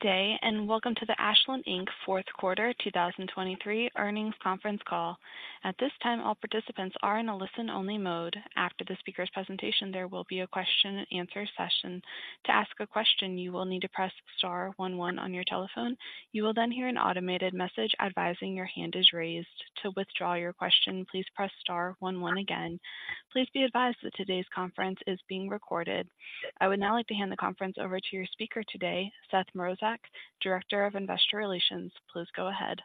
Good day, and welcome to the Ashland Inc. Fourth Quarter 2023 Earnings Conference Call. At this time, all participants are in a listen-only mode. After the speaker's presentation, there will be a question-and-answer session. To ask a question, you will need to press star one one on your telephone. You will then hear an automated message advising your hand is raised. To withdraw your question, please press star one one again. Please be advised that today's conference is being recorded. I would now like to hand the conference over to your speaker today, Seth Mrozek, Director of Investor Relations. Please go ahead.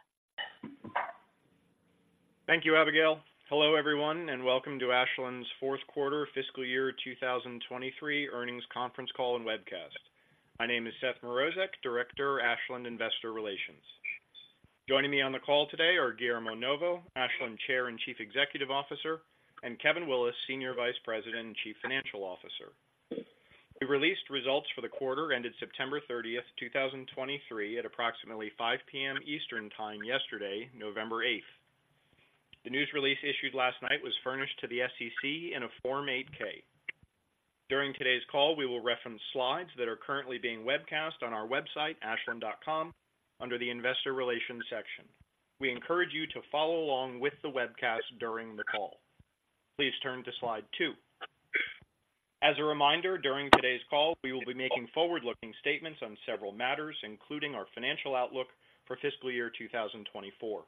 Thank you, Abigail. Hello, everyone, and welcome to Ashland's Fourth Quarter Fiscal Year 2023 Earnings Conference Call and Webcast. My name is Seth Mrozek, Director, Ashland Investor Relations. Joining me on the call today are Guillermo Novo, Ashland Chair and Chief Executive Officer, and Kevin Willis, Senior Vice President and Chief Financial Officer. We released results for the quarter ended September 30th, 2023, at approximately 5:00 P.M. Eastern Time yesterday, November 8. The news release issued last night was furnished to the SEC in a Form 8-K. During today's call, we will reference slides that are currently being webcast on our website, ashland.com, under the Investor Relations section. We encourage you to follow along with the webcast during the call. Please turn to slide two. As a reminder, during today's call, we will be making forward-looking statements on several matters, including our financial outlook for fiscal year 2024.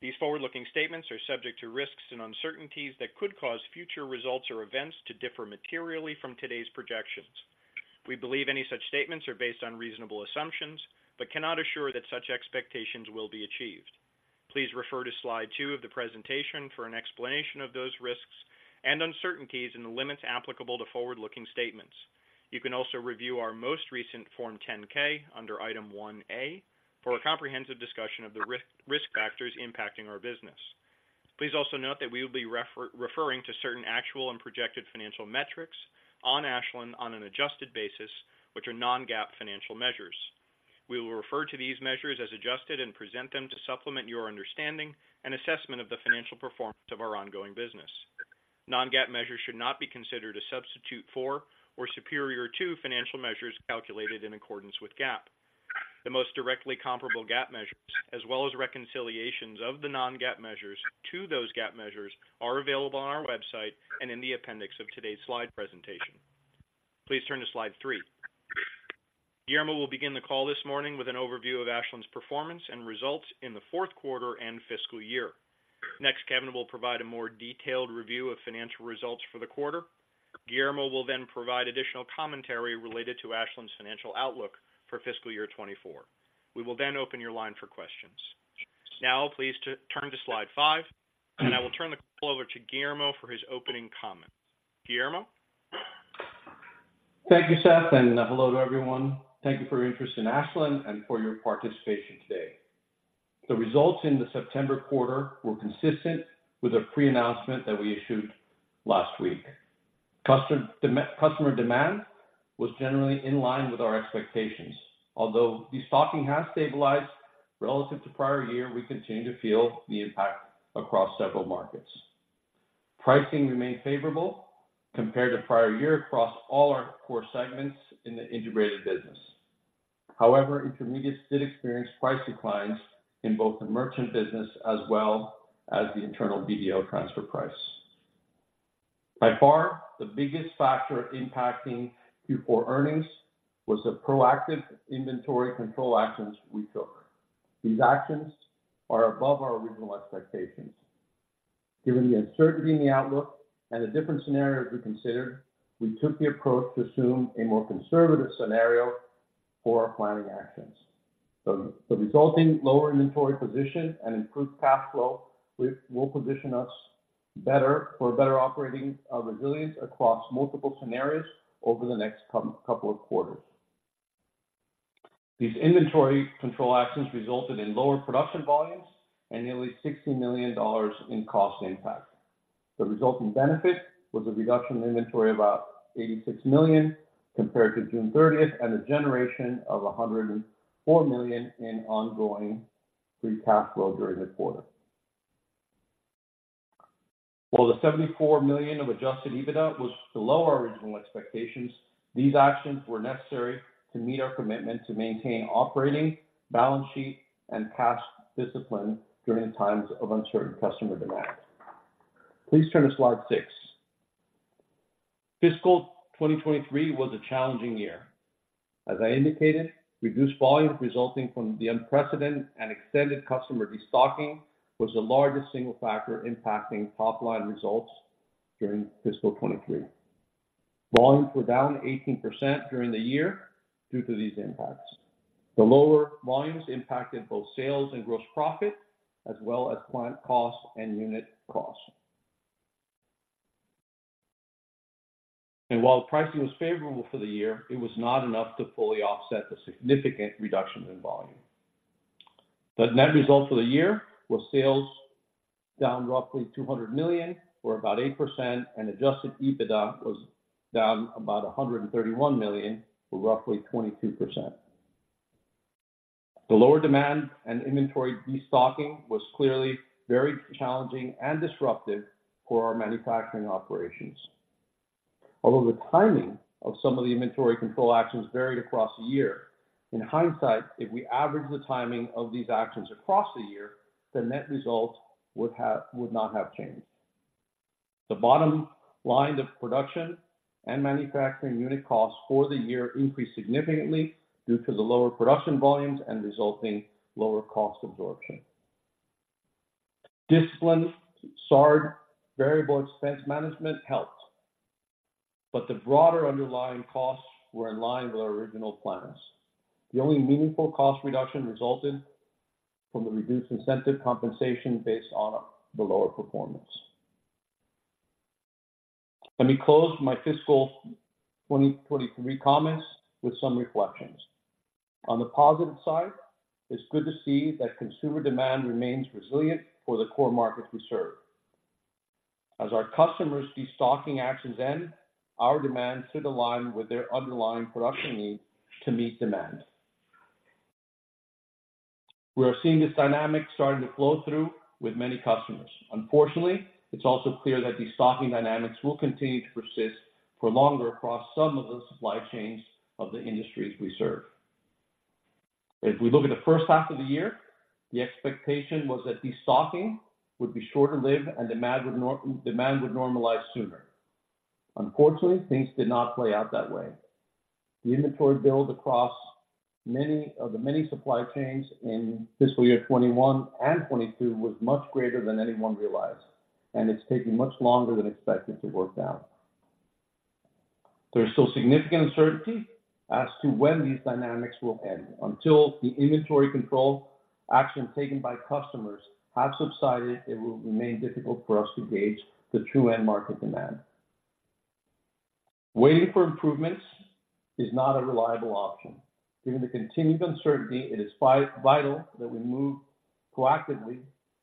These forward-looking statements are subject to risks and uncertainties that could cause future results or events to differ materially from today's projections. We believe any such statements are based on reasonable assumptions, but cannot assure that such expectations will be achieved. Please refer to slide two of the presentation for an explanation of those risks and uncertainties and the limits applicable to forward-looking statements. You can also review our most recent Form 10-K under Item 1A for a comprehensive discussion of the risk factors impacting our business. Please also note that we will be referring to certain actual and projected financial metrics on Ashland on an adjusted basis, which are non-GAAP financial measures. We will refer to these measures as adjusted and present them to supplement your understanding and assessment of the financial performance of our ongoing business. Non-GAAP measures should not be considered a substitute for or superior to financial measures calculated in accordance with GAAP. The most directly comparable GAAP measures as well as reconciliations of the non-GAAP measures to those GAAP measures are available on our website and in the appendix of today's slide presentation. Please turn to slide three. Guillermo will begin the call this morning with an overview of Ashland's performance and results in the fourth quarter and fiscal year. Next, Kevin will provide a more detailed review of financial results for the quarter. Guillermo will then provide additional commentary related to Ashland's financial outlook for fiscal year 2024. We will then open your line for questions. Now, please turn to slide five, and I will turn the call over to Guillermo for his opening comments. Guillermo? Thank you, Seth, and hello to everyone. Thank you for your interest in Ashland and for your participation today. The results in the September quarter were consistent with the pre-announcement that we issued last week. Customer demand was generally in line with our expectations. Although destocking has stabilized relative to prior year, we continue to feel the impact across several markets. Pricing remained favorable compared to prior year across all our core segments in the integrated business. However, Intermediates did experience price declines in both the merchant business as well as the internal BDO transfer price. By far, the biggest factor impacting Q4 earnings was the proactive inventory control actions we took. These actions are above our original expectations. Given the uncertainty in the outlook and the different scenarios we considered, we took the approach to assume a more conservative scenario for our planning actions. The resulting lower inventory position and improved cash flow will position us better for better operating resilience across multiple scenarios over the next couple of quarters. These inventory control actions resulted in lower production volumes and nearly $60 million in cost impact. The resulting benefit was a reduction in inventory of about $86 million compared to June 30th, and a generation of $104 million in ongoing free cash flow during the quarter. While the $74 million of Adjusted EBITDA was below our original expectations, these actions were necessary to meet our commitment to maintain operating, balance sheet, and cash discipline during times of uncertain customer demand. Please turn to slide six. Fiscal 2023 was a challenging year. As I indicated, reduced volumes resulting from the unprecedented and extended customer destocking was the largest single factor impacting top-line results during fiscal 2023. Volumes were down 18% during the year due to these impacts. The lower volumes impacted both sales and gross profit, as well as plant costs and unit costs. And while pricing was favorable for the year, it was not enough to fully offset the significant reduction in volume. The net result for the year was sales down roughly $200 million, or about 8%, and Adjusted EBITDA was down about $131 million, or roughly 22%. The lower demand and inventory destocking was clearly very challenging and disruptive for our manufacturing operations. Although the timing of some of the inventory control actions varied across the year, in hindsight, if we average the timing of these actions across the year, the net result would have, would not have changed. The bottom line of production and manufacturing unit costs for the year increased significantly due to the lower production volumes and resulting lower cost absorption. Disciplined SG&A variable expense management helped, but the broader underlying costs were in line with our original plans. The only meaningful cost reduction resulted from the reduced incentive compensation based on the lower performance. Let me close my fiscal 2023 comments with some reflections. On the positive side, it's good to see that consumer demand remains resilient for the core markets we serve. As our customers' destocking actions end, our demand should align with their underlying production needs to meet demand. We are seeing this dynamic starting to flow through with many customers. Unfortunately, it's also clear that destocking dynamics will continue to persist for longer across some of the supply chains of the industries we serve. If we look at the first half of the year, the expectation was that destocking would be short-lived and demand would normalize sooner. Unfortunately, things did not play out that way. The inventory build across many of the many supply chains in fiscal year 2021 and 2022 was much greater than anyone realized, and it's taking much longer than expected to work down. There's still significant uncertainty as to when these dynamics will end. Until the inventory control actions taken by customers have subsided, it will remain difficult for us to gauge the true end market demand. Waiting for improvements is not a reliable option. Given the continued uncertainty, it is vital that we move proactively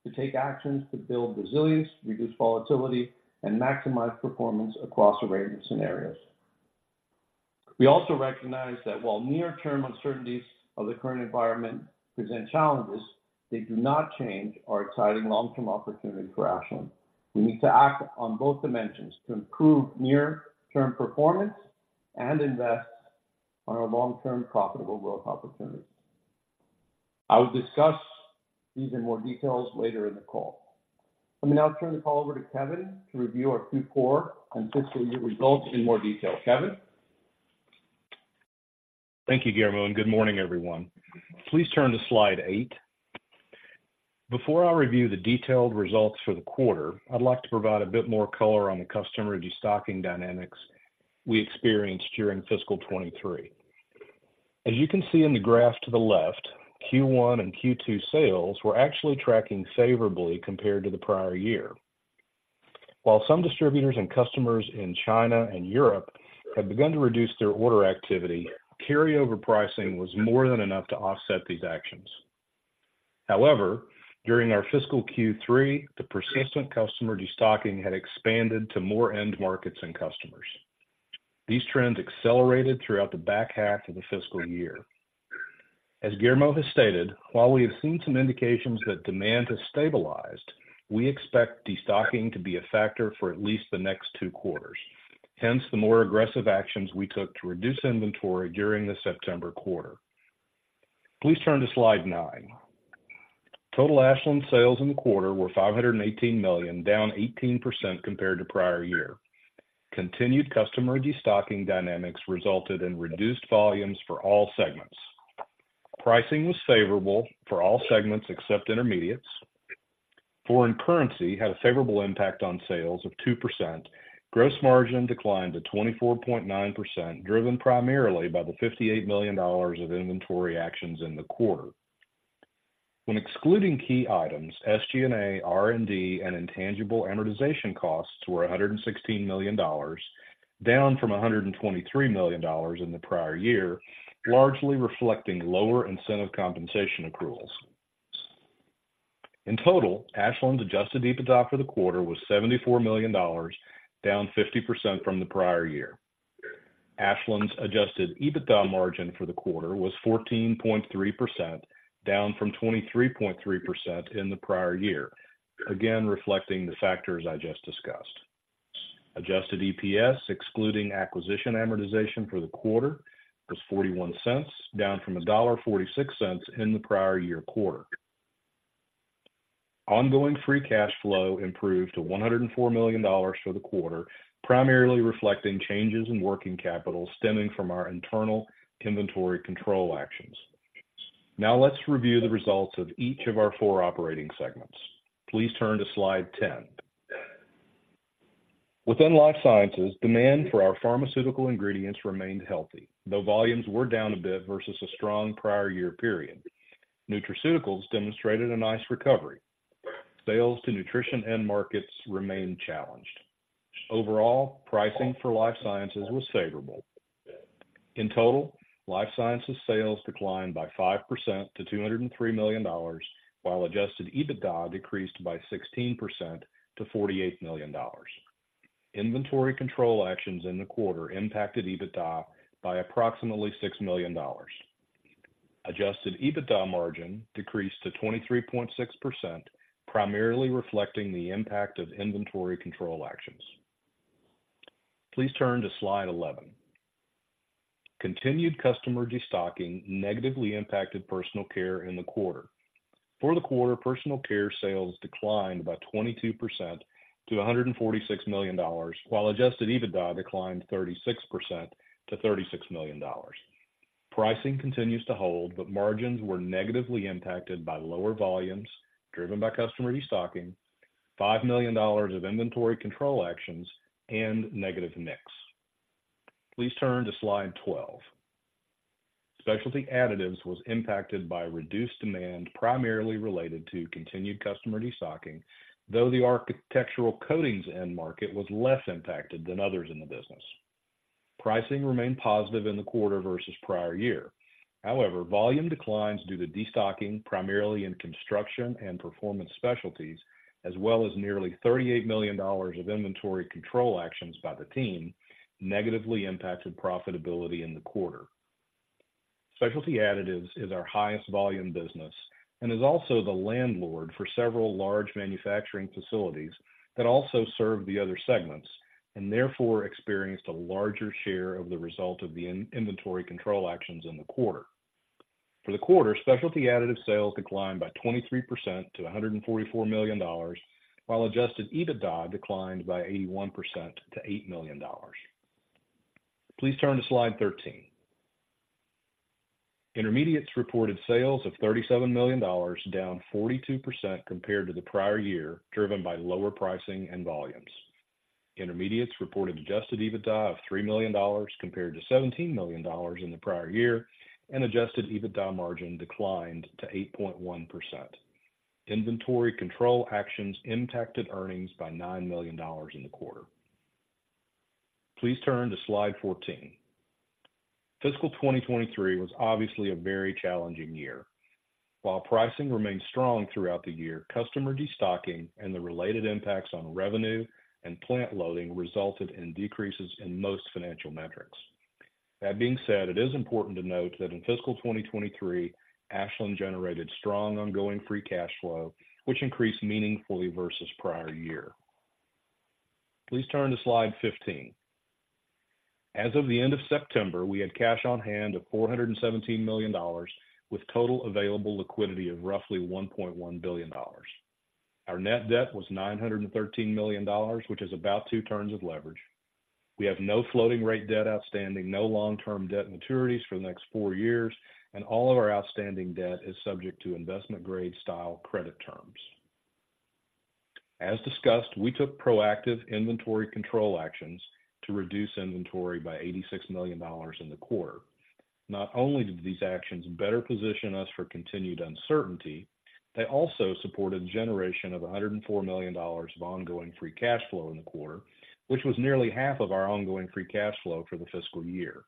to take actions to build resilience, reduce volatility, and maximize performance across a range of scenarios. We also recognize that while near-term uncertainties of the current environment present challenges, they do not change our exciting long-term opportunity for Ashland. We need to act on both dimensions to improve near-term performance and invest on our long-term profitable growth opportunities. I will discuss these in more details later in the call. Let me now turn the call over to Kevin to review our Q4 and fiscal year results in more detail. Kevin? Thank you, Guillermo, and good morning, everyone. Please turn to slide eight. Before I review the detailed results for the quarter, I'd like to provide a bit more color on the customer destocking dynamics we experienced during fiscal 2023. As you can see in the graph to the left, Q1 and Q2 sales were actually tracking favorably compared to the prior year. While some distributors and customers in China and Europe had begun to reduce their order activity, carryover pricing was more than enough to offset these actions. However, during our fiscal Q3, the persistent customer destocking had expanded to more end markets and customers. These trends accelerated throughout the back half of the fiscal year. As Guillermo has stated, while we have seen some indications that demand has stabilized, we expect destocking to be a factor for at least the next two quarters. Hence, the more aggressive actions we took to reduce inventory during the September quarter. Please turn to slide nine. Total Ashland sales in the quarter were $518 million, down 18% compared to prior year. Continued customer destocking dynamics resulted in reduced volumes for all segments. Pricing was favorable for all segments except Intermediates. Foreign currency had a favorable impact on sales of 2%. Gross margin declined to 24.9%, driven primarily by the $58 million of inventory actions in the quarter. When excluding key items, SG&A, R&D, and intangible amortization costs were $116 million, down from $123 million in the prior year, largely reflecting lower incentive compensation accruals. In total, Ashland's Adjusted EBITDA for the quarter was $74 million, down 50% from the prior year. Ashland's Adjusted EBITDA margin for the quarter was 14.3%, down from 23.3% in the prior year, again, reflecting the factors I just discussed. Adjusted EPS, excluding acquisition amortization for the quarter, was $0.41, down from $1.46 in the prior year quarter. Ongoing free cash flow improved to $104 million for the quarter, primarily reflecting changes in working capital stemming from our internal inventory control actions. Now, let's review the results of each of our four operating segments. Please turn to slide 10. Within Life Sciences, demand for our pharmaceutical ingredients remained healthy, though volumes were down a bit versus a strong prior year period. Nutraceuticals demonstrated a nice recovery. Sales to nutrition end markets remained challenged. Overall, pricing for Life Sciences was favorable. In total, Life Sciences sales declined by 5% to $203 million, while Adjusted EBITDA decreased by 16% to $48 million. Inventory control actions in the quarter impacted EBITDA by approximately $6 million. Adjusted EBITDA margin decreased to 23.6%, primarily reflecting the impact of inventory control actions. Please turn to slide 11. Continued customer destocking negatively impacted Personal Care in the quarter. For the quarter, Personal Care sales declined by 22% to $146 million, while Adjusted EBITDA declined 36% to $36 million. Pricing continues to hold, but margins were negatively impacted by lower volumes, driven by customer destocking, $5 million of inventory control actions, and negative mix. Please turn to slide 12. Specialty Additives was impacted by reduced demand, primarily related to continued customer destocking, though the architectural coatings end market was less impacted than others in the business. Pricing remained positive in the quarter versus prior year. However, volume declines due to destocking, primarily in construction and performance specialties, as well as nearly $38 million of inventory control actions by the team, negatively impacted profitability in the quarter. Specialty Additives is our highest volume business and is also the landlord for several large manufacturing facilities that also serve the other segments, and therefore experienced a larger share of the result of the inventory control actions in the quarter. For the quarter, Specialty Additives sales declined by 23% to $144 million, while Adjusted EBITDA declined by 81% to $8 million. Please turn to slide 13. Intermediates reported sales of $37 million, down 42% compared to the prior year, driven by lower pricing and volumes. Intermediates reported Adjusted EBITDA of $3 million compared to $17 million in the prior year, and Adjusted EBITDA margin declined to 8.1%. Inventory control actions impacted earnings by $9 million in the quarter. Please turn to slide 14. Fiscal 2023 was obviously a very challenging year. While pricing remained strong throughout the year, customer destocking and the related impacts on revenue and plant loading resulted in decreases in most financial metrics. That being said, it is important to note that in fiscal 2023, Ashland generated strong ongoing free cash flow, which increased meaningfully versus prior year. Please turn to slide 15. As of the end of September, we had cash on hand of $417 million, with total available liquidity of roughly $1.1 billion. Our Net Debt was $913 million, which is about 2 turns of leverage. We have no floating rate debt outstanding, no long-term debt maturities for the next four years, and all of our outstanding debt is subject to Investment Grade style credit terms. As discussed, we took proactive inventory control actions to reduce inventory by $86 million in the quarter. Not only did these actions better position us for continued uncertainty, they also supported the generation of $104 million of ongoing Free Cash Flow in the quarter, which was nearly half of our ongoing Free Cash Flow for the fiscal year.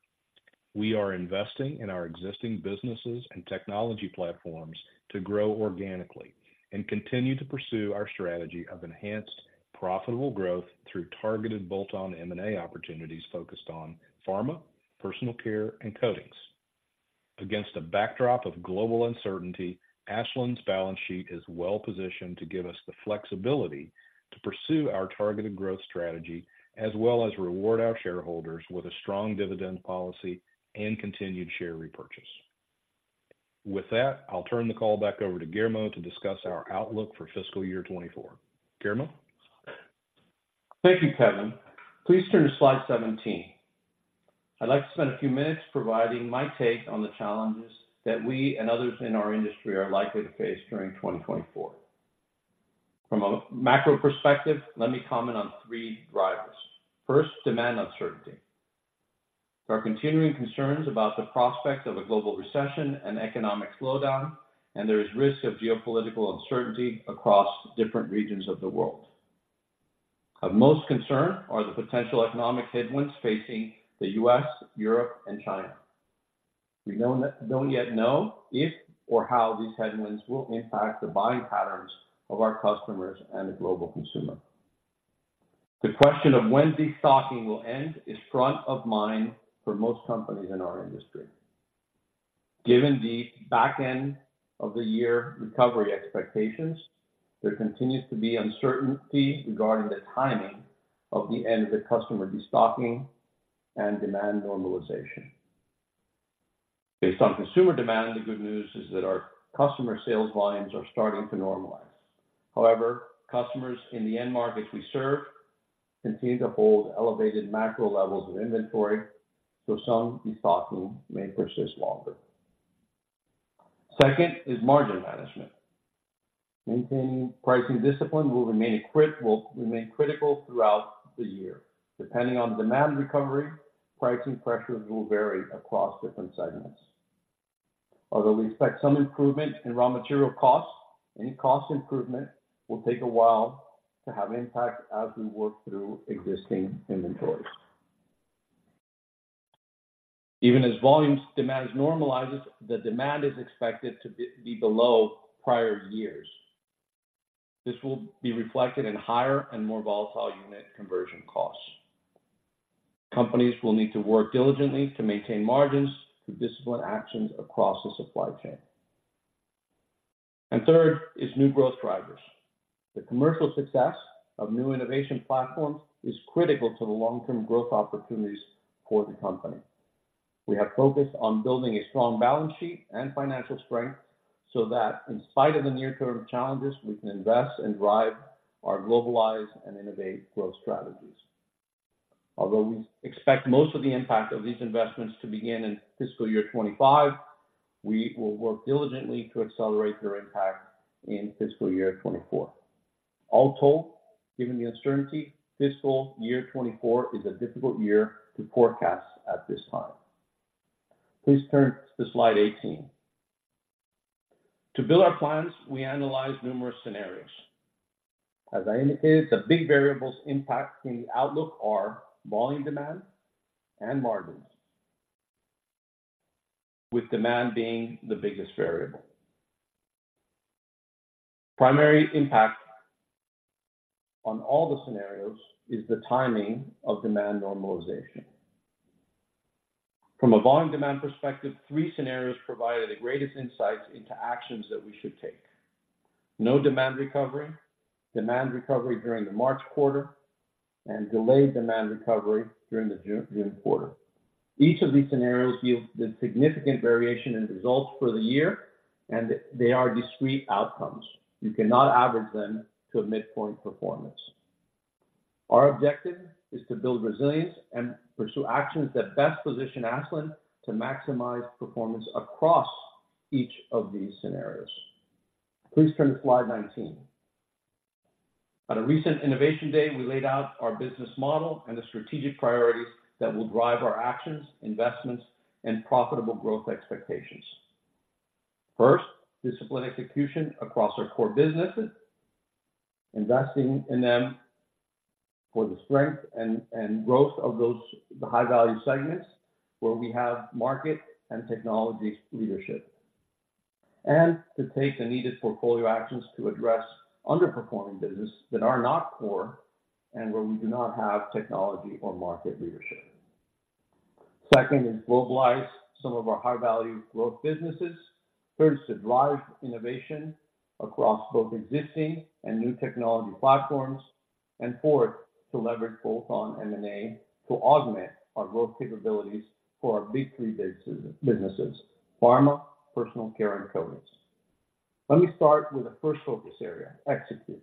We are investing in our existing businesses and technology platforms to grow organically and continue to pursue our strategy of enhanced profitable growth through targeted bolt-on M&A opportunities focused on pharma, personal care, and coatings. Against a backdrop of global uncertainty, Ashland's balance sheet is well positioned to give us the flexibility to pursue our targeted growth strategy, as well as reward our shareholders with a strong dividend policy and continued share repurchase. With that, I'll turn the call back over to Guillermo to discuss our outlook for fiscal year 2024. Guillermo? Thank you, Kevin. Please turn to slide 17. I'd like to spend a few minutes providing my take on the challenges that we and others in our industry are likely to face during 2024. From a macro perspective, let me comment on three drivers. First, demand uncertainty. There are continuing concerns about the prospect of a global recession and economic slowdown, and there is risk of geopolitical uncertainty across different regions of the world. Of most concern are the potential economic headwinds facing the U.S., Europe, and China. We don't yet know if or how these headwinds will impact the buying patterns of our customers and the global consumer. The question of when destocking will end is front of mind for most companies in our industry. Given the back end of the year recovery expectations, there continues to be uncertainty regarding the timing of the end of the customer destocking and demand normalization. Based on consumer demand, the good news is that our customer sales volumes are starting to normalize. However, customers in the end markets we serve continue to hold elevated macro levels of inventory, so some destocking may persist longer. Second is margin management. Maintaining pricing discipline will remain critical throughout the year. Depending on demand recovery, pricing pressures will vary across different segments. Although we expect some improvement in raw material costs, any cost improvement will take a while to have impact as we work through existing inventories. Even as volumes demand normalizes, the demand is expected to be below prior years. This will be reflected in higher and more volatile unit conversion costs. Companies will need to work diligently to maintain margins through disciplined actions across the supply chain. Third is new growth drivers. The commercial success of new innovation platforms is critical to the long-term growth opportunities for the company. We have focused on building a strong balance sheet and financial strength, so that in spite of the near-term challenges, we can invest and drive our globalize and innovate growth strategies. Although we expect most of the impact of these investments to begin in fiscal year 2025, we will work diligently to accelerate their impact in fiscal year 2024. All told, given the uncertainty, fiscal year 2024 is a difficult year to forecast at this time. Please turn to slide 18. To build our plans, we analyzed numerous scenarios. As I indicated, the big variables impacting the outlook are volume demand and margins, with demand being the biggest variable. Primary impact on all the scenarios is the timing of demand normalization. From a volume demand perspective, three scenarios provided the greatest insights into actions that we should take. No demand recovery, demand recovery during the March quarter, and delayed demand recovery during the June, June quarter. Each of these scenarios yields a significant variation in results for the year, and they are discrete outcomes. You cannot average them to a midpoint performance. Our objective is to build resilience and pursue actions that best position Ashland to maximize performance across each of these scenarios. Please turn to slide 19. On a recent innovation day, we laid out our business model and the strategic priorities that will drive our actions, investments, and profitable growth expectations. First, disciplined execution across our core businesses, investing in them for the strength and growth of those high-value segments, where we have market and technology leadership. And to take the needed portfolio actions to address underperforming business that are not core and where we do not have technology or market leadership. Second is globalize some of our high-value growth businesses. Third, to drive innovation across both existing and new technology platforms. And fourth, to leverage bolt-on M&A to augment our growth capabilities for our big three base businesses, pharma, Personal Care, and Coatings. Let me start with the first focus area, execute.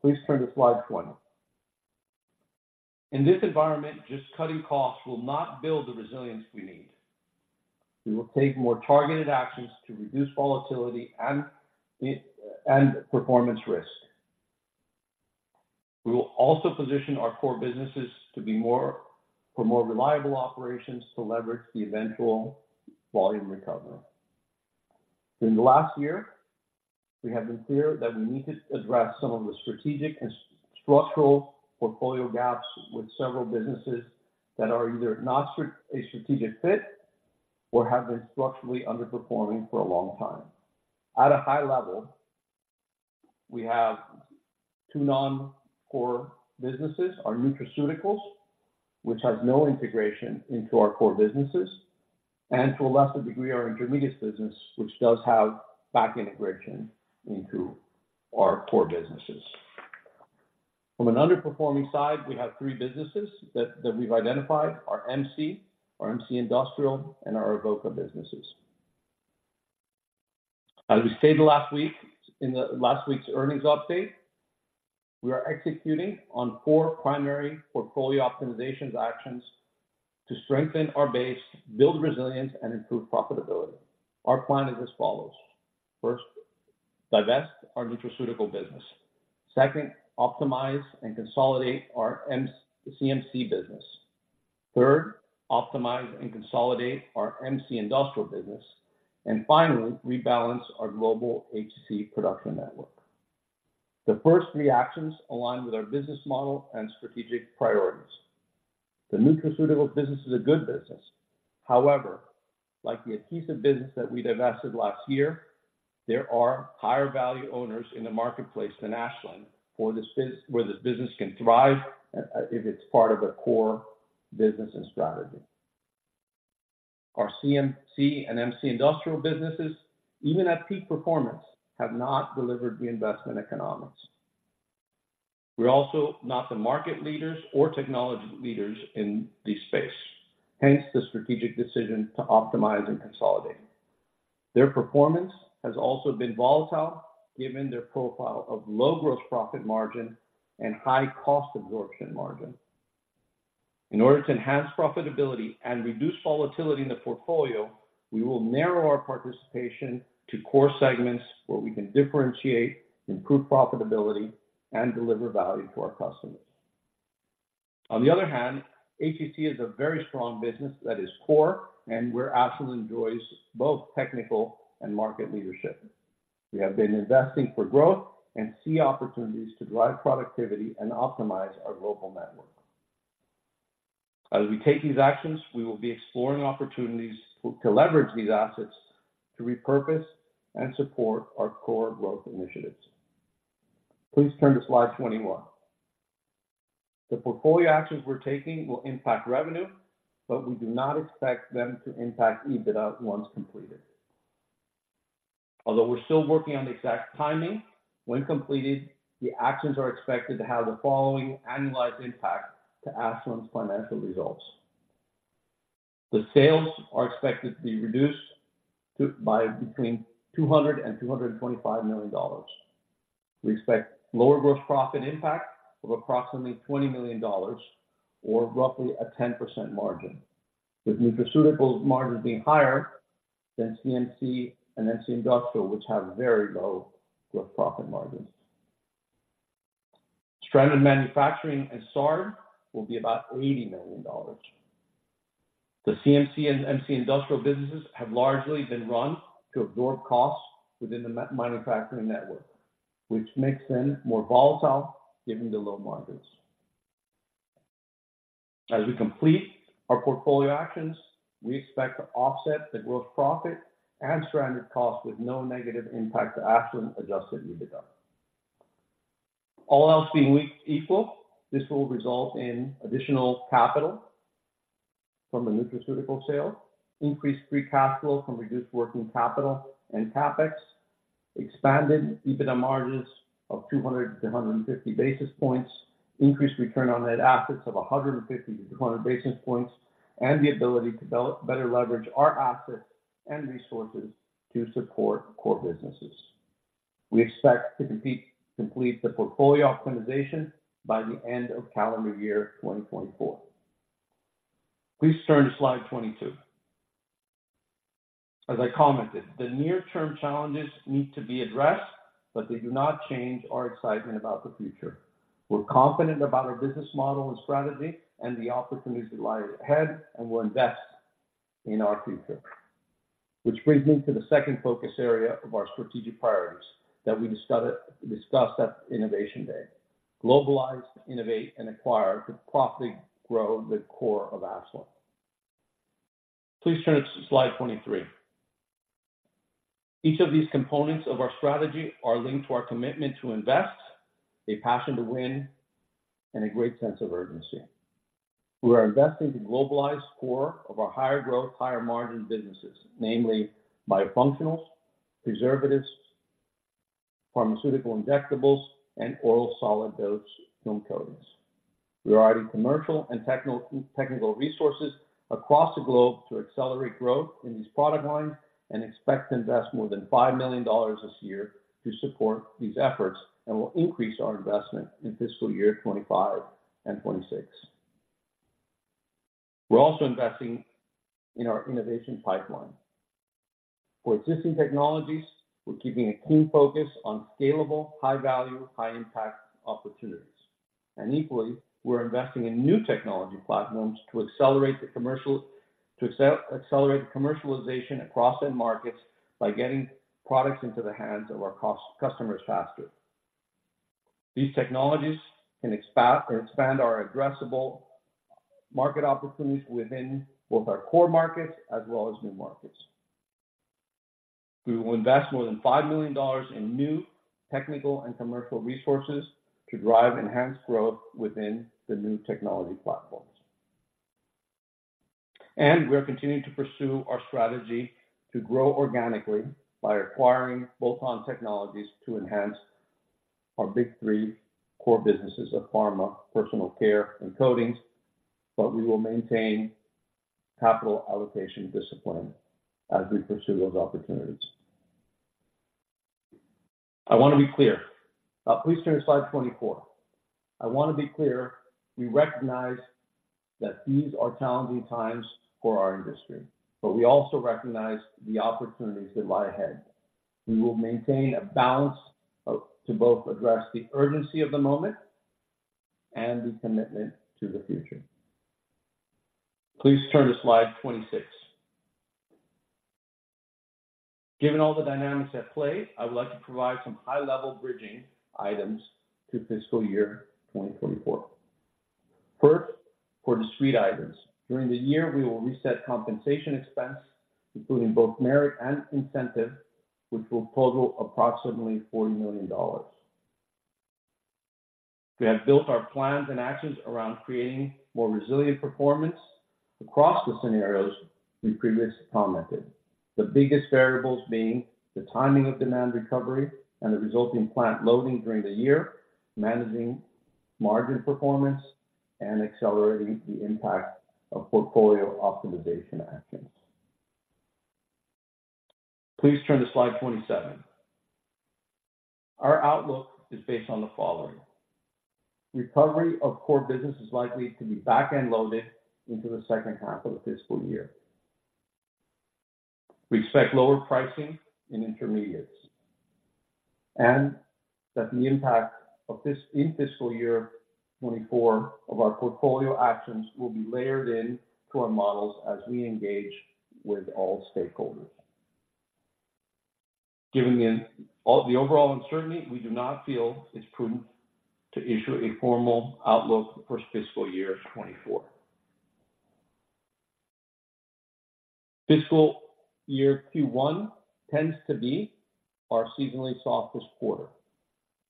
Please turn to slide 20. In this environment, just cutting costs will not build the resilience we need. We will take more targeted actions to reduce volatility and performance risk. We will also position our core businesses to be more reliable operations to leverage the eventual volume recovery. In the last year, we have been clear that we need to address some of the strategic and structural portfolio gaps with several businesses that are either not a strategic fit or have been structurally underperforming for a long time. At a high level, we have two non-core businesses, our Nutraceuticals, which have no integration into our core businesses, and to a lesser degree, our Intermediates business, which does have back integration into our core businesses. From an underperforming side, we have three businesses that we've identified, our MC, our MC Industrial, and our Avoca businesses. As we stated last week, in the last week's earnings update, we are executing on four primary portfolio optimization actions to strengthen our base, build resilience, and improve profitability. Our plan is as follows: First, divest our nutraceutical business. Second, optimize and consolidate our MC, CMC business. Third, optimize and consolidate our MC Industrial business. And finally, rebalance our global HEC production network. The first three actions align with our business model and strategic priorities. The nutraceutical business is a good business. However, like the adhesive business that we divested last year, there are higher-value owners in the marketplace than Ashland, for this business where this business can thrive, if it's part of a core business and strategy. Our CMC and MC Industrial businesses, even at peak performance, have not delivered the investment economics. We're also not the market leaders or technology leaders in this space, hence the strategic decision to optimize and consolidate. Their performance has also been volatile, given their profile of low gross profit margin and high cost absorption margin. In order to enhance profitability and reduce volatility in the portfolio, we will narrow our participation to core segments where we can differentiate, improve profitability, and deliver value to our customers. On the other hand, HEC is a very strong business that is core and where Ashland enjoys both technical and market leadership. We have been investing for growth and see opportunities to drive productivity and optimize our global network. As we take these actions, we will be exploring opportunities to leverage these assets to repurpose and support our core growth initiatives.... Please turn to slide 21. The portfolio actions we're taking will impact revenue, but we do not expect them to impact EBITDA once completed. Although we're still working on the exact timing, when completed, the actions are expected to have the following annualized impact to Ashland's financial results. The sales are expected to be reduced by between $200 and $225 million. We expect lower gross profit impact of approximately $20 million or roughly a 10% margin, with nutraceutical margins being higher than CMC and MC Industrial, which have very low gross profit margins. Stranded manufacturing and SAR will be about $80 million. The CMC and MC Industrial businesses have largely been run to absorb costs within the manufacturing network, which makes them more volatile given the low margins. As we complete our portfolio actions, we expect to offset the gross profit and stranded costs with no negative impact to Ashland Adjusted EBITDA. All else being equal, this will result in additional capital from the nutraceutical sale, increased free cash flow from reduced working capital and CapEx, expanded EBITDA margins of 200-150 basis points, increased return on net assets of 150-200 basis points, and the ability to better leverage our assets and resources to support core businesses. We expect to complete the portfolio optimization by the end of calendar year 2024. Please turn to slide 22. As I commented, the near-term challenges need to be addressed, but they do not change our excitement about the future. We're confident about our business model and strategy and the opportunities that lie ahead, and we'll invest in our future. Which brings me to the second focus area of our strategic priorities that we discussed at Innovation Day: globalize, innovate, and acquire to profitably grow the core of Ashland. Please turn to slide 23. Each of these components of our strategy are linked to our commitment to invest, a passion to win, and a great sense of urgency. We are investing to globalize core of our higher growth, higher margin businesses, namely Biofunctionals, Preservatives, Pharmaceutical Injectables, and Oral Solid Dose Film Coatings. We are adding commercial and technical resources across the globe to accelerate growth in these product lines and expect to invest more than $5 million this year to support these efforts, and we'll increase our investment in fiscal year 2025 and 2026. We're also investing in our innovation pipeline. For existing technologies, we're keeping a keen focus on scalable, high-value, high-impact opportunities, and equally, we're investing in new technology platforms to accelerate the commercialization across end markets by getting products into the hands of our customers faster. These technologies can expand our addressable market opportunities within both our core markets as well as new markets. We will invest more than $5 million in new technical and commercial resources to drive enhanced growth within the new technology platforms. We are continuing to pursue our strategy to grow organically by acquiring bolt-on technologies to enhance our big three core businesses of pharma, personal care, and coatings, but we will maintain capital allocation discipline as we pursue those opportunities. I want to be clear. Please turn to slide 24. I want to be clear, we recognize that these are challenging times for our industry, but we also recognize the opportunities that lie ahead. We will maintain a balance of, to both address the urgency of the moment and the commitment to the future. Please turn to slide 26. Given all the dynamics at play, I would like to provide some high-level bridging items to fiscal year 2024. First, for the street items, during the year, we will reset compensation expense, including both merit and incentive, which will total approximately $40 million. We have built our plans and actions around creating more resilient performance across the scenarios we previously commented. The biggest variables being the timing of demand recovery and the resulting plant loading during the year, managing margin performance, and accelerating the impact of portfolio optimization actions. Please turn to slide 27. Our outlook is based on the following: recovery of core business is likely to be back-end-loaded into the second half of the fiscal year. We expect lower pricing in Intermediates, and that the impact of this in fiscal year 2024 of our portfolio actions will be layered into our models as we engage with all stakeholders. Given the overall uncertainty, we do not feel it's prudent to issue a formal outlook for fiscal year 2024. Fiscal year Q1 tends to be our seasonally softest quarter.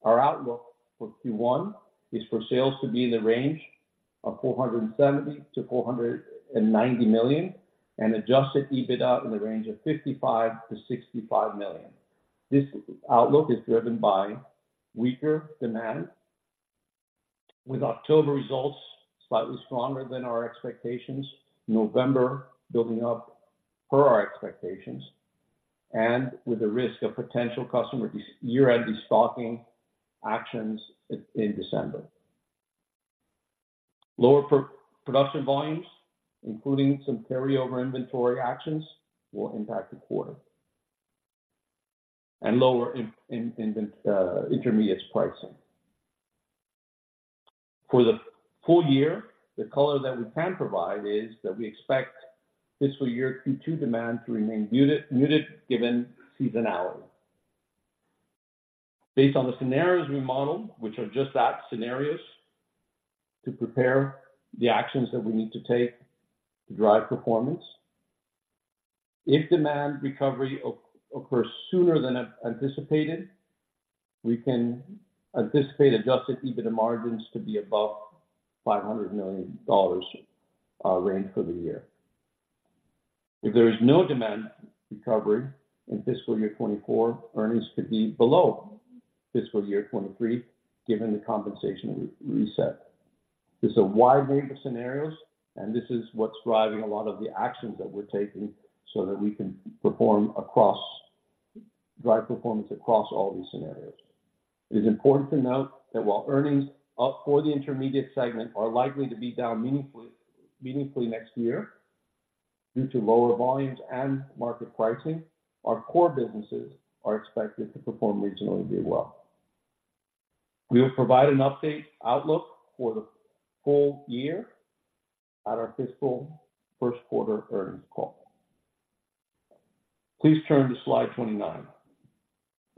Our outlook for Q1 is for sales to be in the range of $470 million-$490 million, and Adjusted EBITDA in the range of $55 million-$65 million. This outlook is driven by weaker demand, with October results slightly stronger than our expectations, November building up per our expectations, and with the risk of potential customer year-end destocking actions in December. Lower production volumes, including some carryover inventory actions, will impact the quarter, and lower Intermediates pricing. For the full year, the color that we can provide is that we expect fiscal year Q2 demand to remain muted given seasonality. Based on the scenarios we modeled, which are just that, scenarios, to prepare the actions that we need to take to drive performance. If demand recovery occurs sooner than anticipated, we can anticipate Adjusted EBITDA margins to be above $500 million range for the year. If there is no demand recovery in fiscal year 2024, earnings could be below fiscal year 2023, given the compensation reset. This is a wide range of scenarios, and this is what's driving a lot of the actions that we're taking so that we can perform across, drive performance across all these scenarios. It is important to note that while earnings up for the intermediate segment are likely to be down meaningfully, meaningfully next year due to lower volumes and market pricing, our core businesses are expected to perform regionally well. We will provide an update outlook for the full year at our fiscal first quarter earnings call. Please turn to slide 29.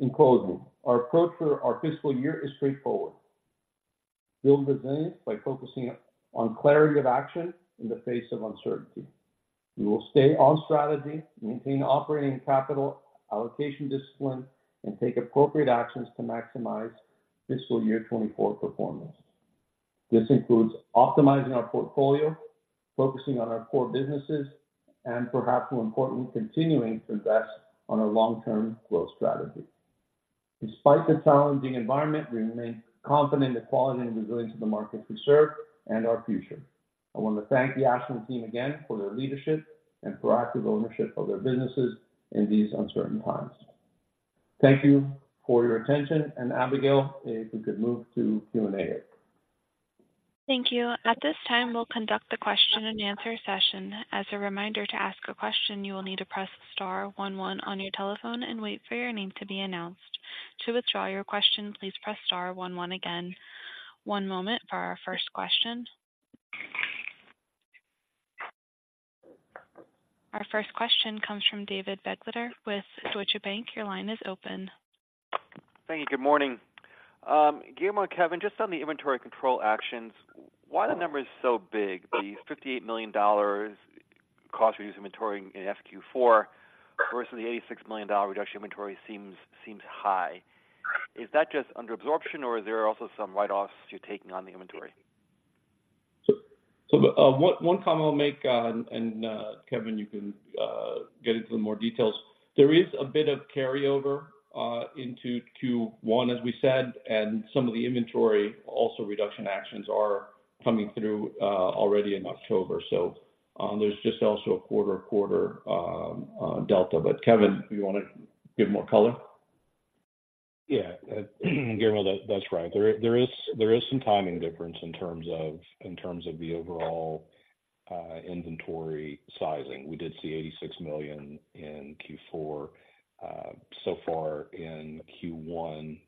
In closing, our approach for our fiscal year is straightforward: build resilience by focusing on clarity of action in the face of uncertainty. We will stay on strategy, maintain operating capital allocation discipline, and take appropriate actions to maximize fiscal year 2024 performance. This includes optimizing our portfolio, focusing on our core businesses, and perhaps more importantly, continuing to invest on our long-term growth strategy. Despite the challenging environment, we remain confident in the quality and resilience of the markets we serve and our future. I want to thank the Ashland team again for their leadership and proactive ownership of their businesses in these uncertain times. Thank you for your attention, and Abigail, if we could move to Q&A. Thank you. At this time, we'll conduct the question-and-answer session. As a reminder, to ask a question, you will need to press star one one on your telephone and wait for your name to be announced. To withdraw your question, please press star one one again. One moment for our first question. Our first question comes from David Begleiter with Deutsche Bank. Your line is open. Thank you. Good morning. Guillermo, Kevin, just on the inventory control actions, why the number is so big? The $58 million cost to reduce inventory in FQ4 versus the $86 million reduction inventory seems high. Is that just under absorption, or are there also some write-offs you're taking on the inventory? So, one comment I'll make, and Kevin, you can get into the more details. There is a bit of carryover into Q1, as we said, and some of the inventory also reduction actions are coming through already in October. So, there's just also a quarter-to-quarter delta. But Kevin, you wanna give more color? Yeah, Guillermo, that's right. There is some timing difference in terms of the overall inventory sizing. We did see $86 million in Q4. So far in Q1,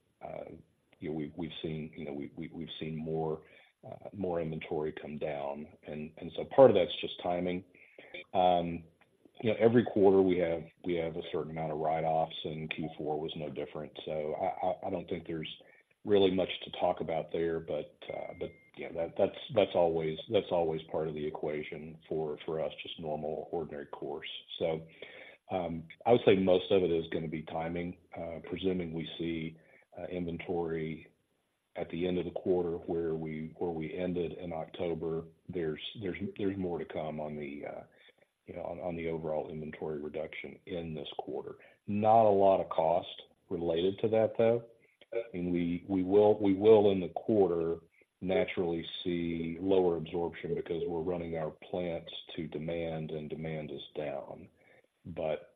you know, we've seen more inventory come down, and so part of that's just timing. You know, every quarter we have a certain amount of write-offs, and Q4 was no different. So I don't think there's really much to talk about there, but yeah, that's always part of the equation for us, just normal, ordinary course. So I would say most of it is gonna be timing. Presuming we see inventory at the end of the quarter where we ended in October, there's more to come on the, you know, overall inventory reduction in this quarter. Not a lot of cost related to that, though. I mean, we will, in the quarter, naturally see lower absorption because we're running our plants to demand, and demand is down. But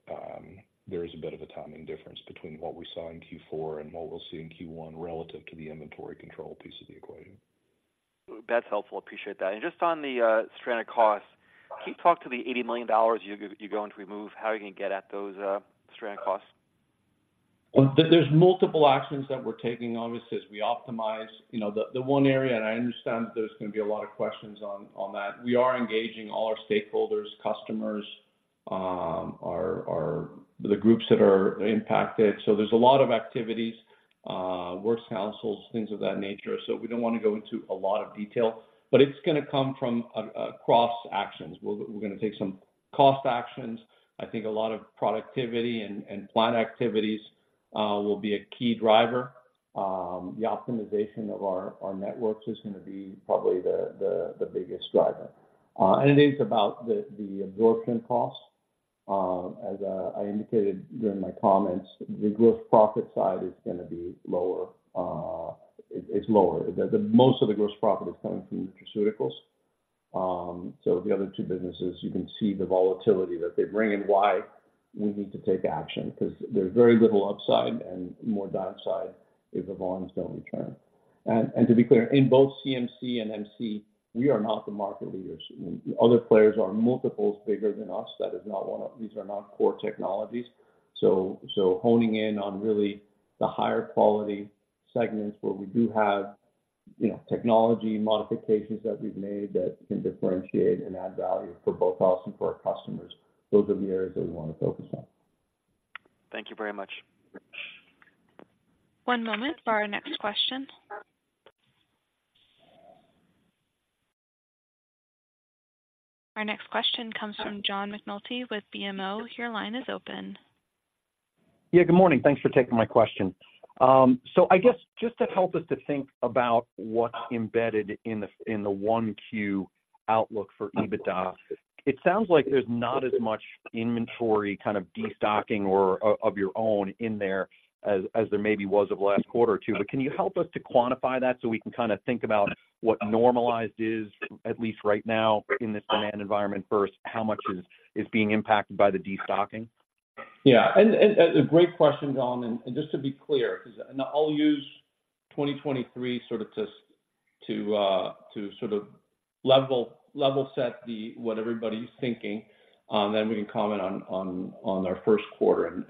there is a bit of a timing difference between what we saw in Q4 and what we'll see in Q1 relative to the inventory control piece of the equation. That's helpful. Appreciate that. Just on the stranded costs, can you talk to the $80 million you're going to remove, how you're gonna get at those stranded costs? Well, there's multiple actions that we're taking, obviously, as we optimize. You know, the one area, and I understand that there's gonna be a lot of questions on that, we are engaging all our stakeholders, customers, our groups that are impacted. So there's a lot of activities. Works Councils, things of that nature. So we don't want to go into a lot of detail, but it's gonna come from cross actions. We're gonna take some cost actions. I think a lot of productivity and plant activities will be a key driver. The optimization of our networks is gonna be probably the biggest driver. And it is about the absorption costs. As I indicated during my comments, the gross profit side is gonna be lower. It's lower. The most of the gross profit is coming from Nutraceuticals. So the other two businesses, you can see the volatility that they bring and why we need to take action, 'cause there's very little upside and more downside if the volumes don't return. And to be clear, in both CMC and MC, we are not the market leaders. Other players are multiples bigger than us. That is not one of... these are not core technologies. So honing in on really the higher quality segments where we do have, you know, technology modifications that we've made that can differentiate and add value for both us and for our customers. Those are the areas that we wanna focus on. Thank you very much. One moment for our next question. Our next question comes from John McNulty with BMO. Your line is open. Yeah, good morning. Thanks for taking my question. So I guess just to help us to think about what's embedded in the 1Q outlook for EBITDA, it sounds like there's not as much inventory kind of destocking or of your own in there as there maybe was of last quarter or two. But can you help us to quantify that, so we can kinda think about what normalized is, at least right now in this demand environment first, how much is being impacted by the destocking? Yeah, and a great question, John. And just to be clear, and I'll use 2023 sort of to sort of level set the—what everybody's thinking, then we can comment on our first quarter.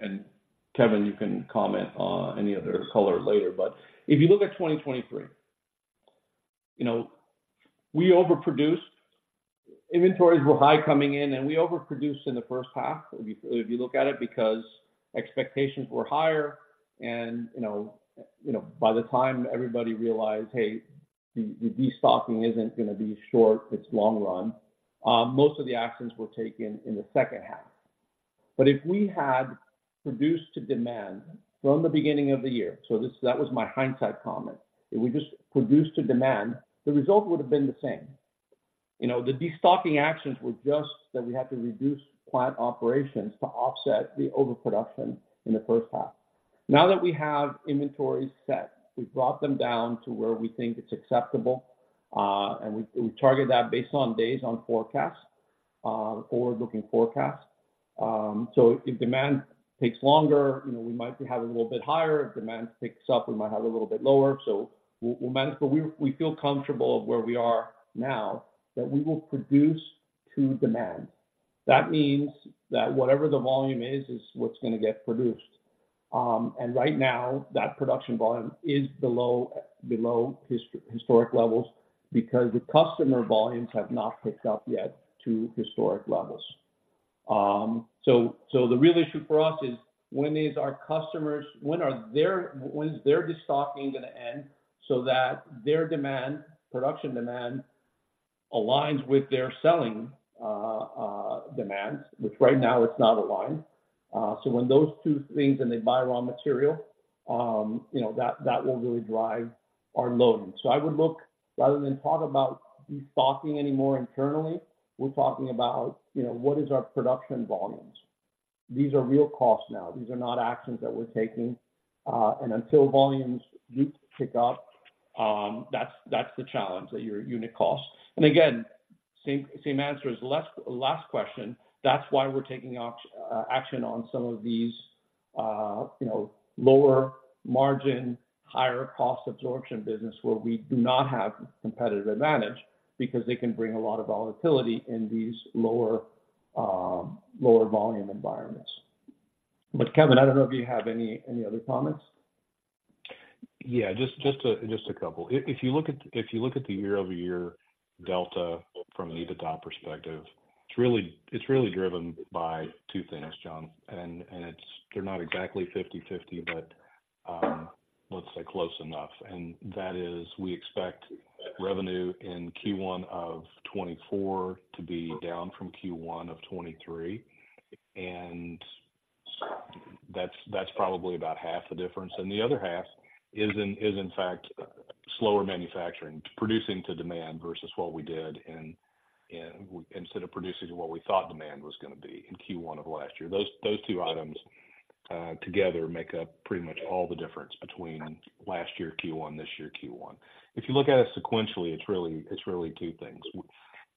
And, Kevin, you can comment on any other color later. But if you look at 2023, you know, we overproduced. Inventories were high coming in, and we overproduced in the first half, if you look at it, because expectations were higher and, you know, by the time everybody realized, "Hey, the destocking isn't gonna be short, it's long run," most of the actions were taken in the second half. But if we had produced to demand from the beginning of the year, so this, that was my hindsight comment, if we just produced to demand, the result would have been the same. You know, the destocking actions were just that we had to reduce plant operations to offset the overproduction in the first half. Now that we have inventories set, we've brought them down to where we think it's acceptable, and we, we target that based on days on forecast, forward-looking forecast. So if demand takes longer, you know, we might be having a little bit higher. If demand picks up, we might have a little bit lower, so we'll manage. But we, we feel comfortable of where we are now, that we will produce to demand. That means that whatever the volume is, is what's gonna get produced. And right now, that production volume is below historic levels because the customer volumes have not picked up yet to historic levels. So the real issue for us is, when is their destocking gonna end so that their demand, production demand, aligns with their selling demands, which right now is not aligned. So when those two things, and they buy raw material, you know, that will really drive our loading. So I would look, rather than talk about destocking anymore internally, we're talking about, you know, what is our production volumes? These are real costs now. These are not actions that we're taking. And until volumes do pick up, that's the challenge that your unit costs. And again, same answer as last question. That's why we're taking action on some of these, you know, lower margin, higher cost absorption business where we do not have competitive advantage because they can bring a lot of volatility in these lower, lower volume environments. But Kevin, I don't know if you have any other comments? Yeah, just a couple. If you look at the year-over-year delta from an EBITDA perspective, it's really driven by two things, John, and it's—they're not exactly 50/50, but let's say close enough. And that is, we expect revenue in Q1 of 2024 to be down from Q1 of 2023, and that's probably about half the difference. And the other half is in fact slower manufacturing, producing to demand versus what we did and instead of producing to what we thought demand was gonna be in Q1 of last year. Those two items together make up pretty much all the difference between last year Q1, this year Q1. If you look at it sequentially, it's really two things.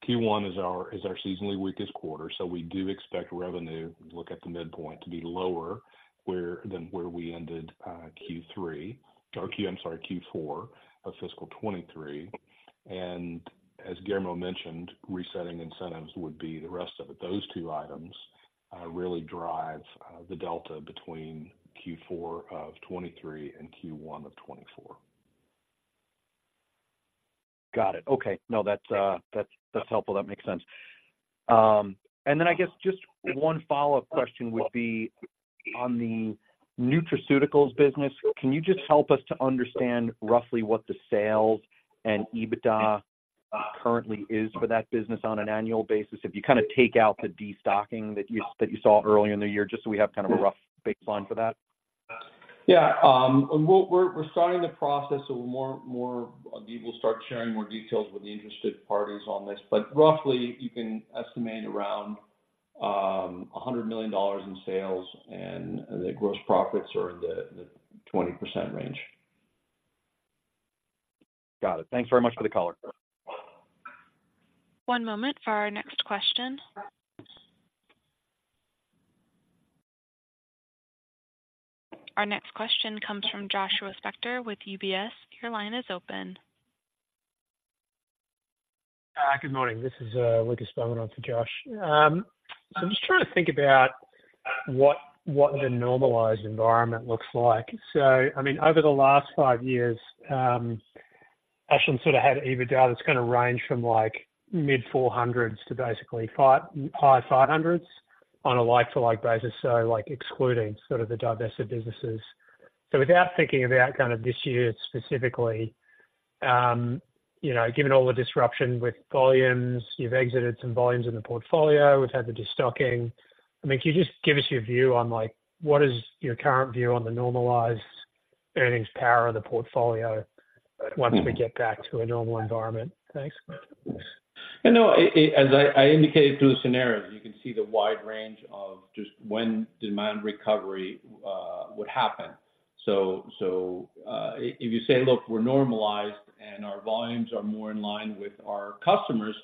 Q1 is our seasonally weakest quarter, so we do expect revenue, look at the midpoint, to be lower than where we ended Q3, or Q... I'm sorry, Q4 of fiscal 2023. And as Guillermo mentioned, resetting incentives would be the rest of it. Those two items really drive the delta between Q4 of 2023 and Q1 of 2024. Got it. Okay. No, that's, that's helpful. That makes sense. And then I guess just one follow-up question would be on the nutraceuticals business. Can you just help us to understand roughly what the sales and EBITDA currently is for that business on an annual basis? If you kind of take out the destocking that you, that you saw earlier in the year, just so we have kind of a rough baseline for that. Yeah. We're starting the process, so we'll start sharing more details with the interested parties on this, but roughly you can estimate around $100 million in sales and the gross profits are in the 20% range. Got it. Thanks very much for the color. One moment for our next question. Our next question comes from Joshua Spector with UBS. Your line is open. Good morning. This is Lucas Beaumont, onto Josh. So I'm just trying to think about what the normalized environment looks like. I mean, over the last five years, Ashland sort of had EBITDA that's kinda ranged from, like, mid-400s to basically high 500s on a like-to-like basis, so like excluding sort of the divested businesses. Without thinking about kind of this year specifically, you know, given all the disruption with volumes, you've exited some volumes in the portfolio, we've had the destocking. I mean, can you just give us your view on, like, what is your current view on the normalized earnings power of the portfolio once we get back to a normal environment? Thanks. You know, as I indicated through the scenarios, you can see the wide range of just when demand recovery would happen. So, if you say, look, we're normalized and our volumes are more in line with our customers,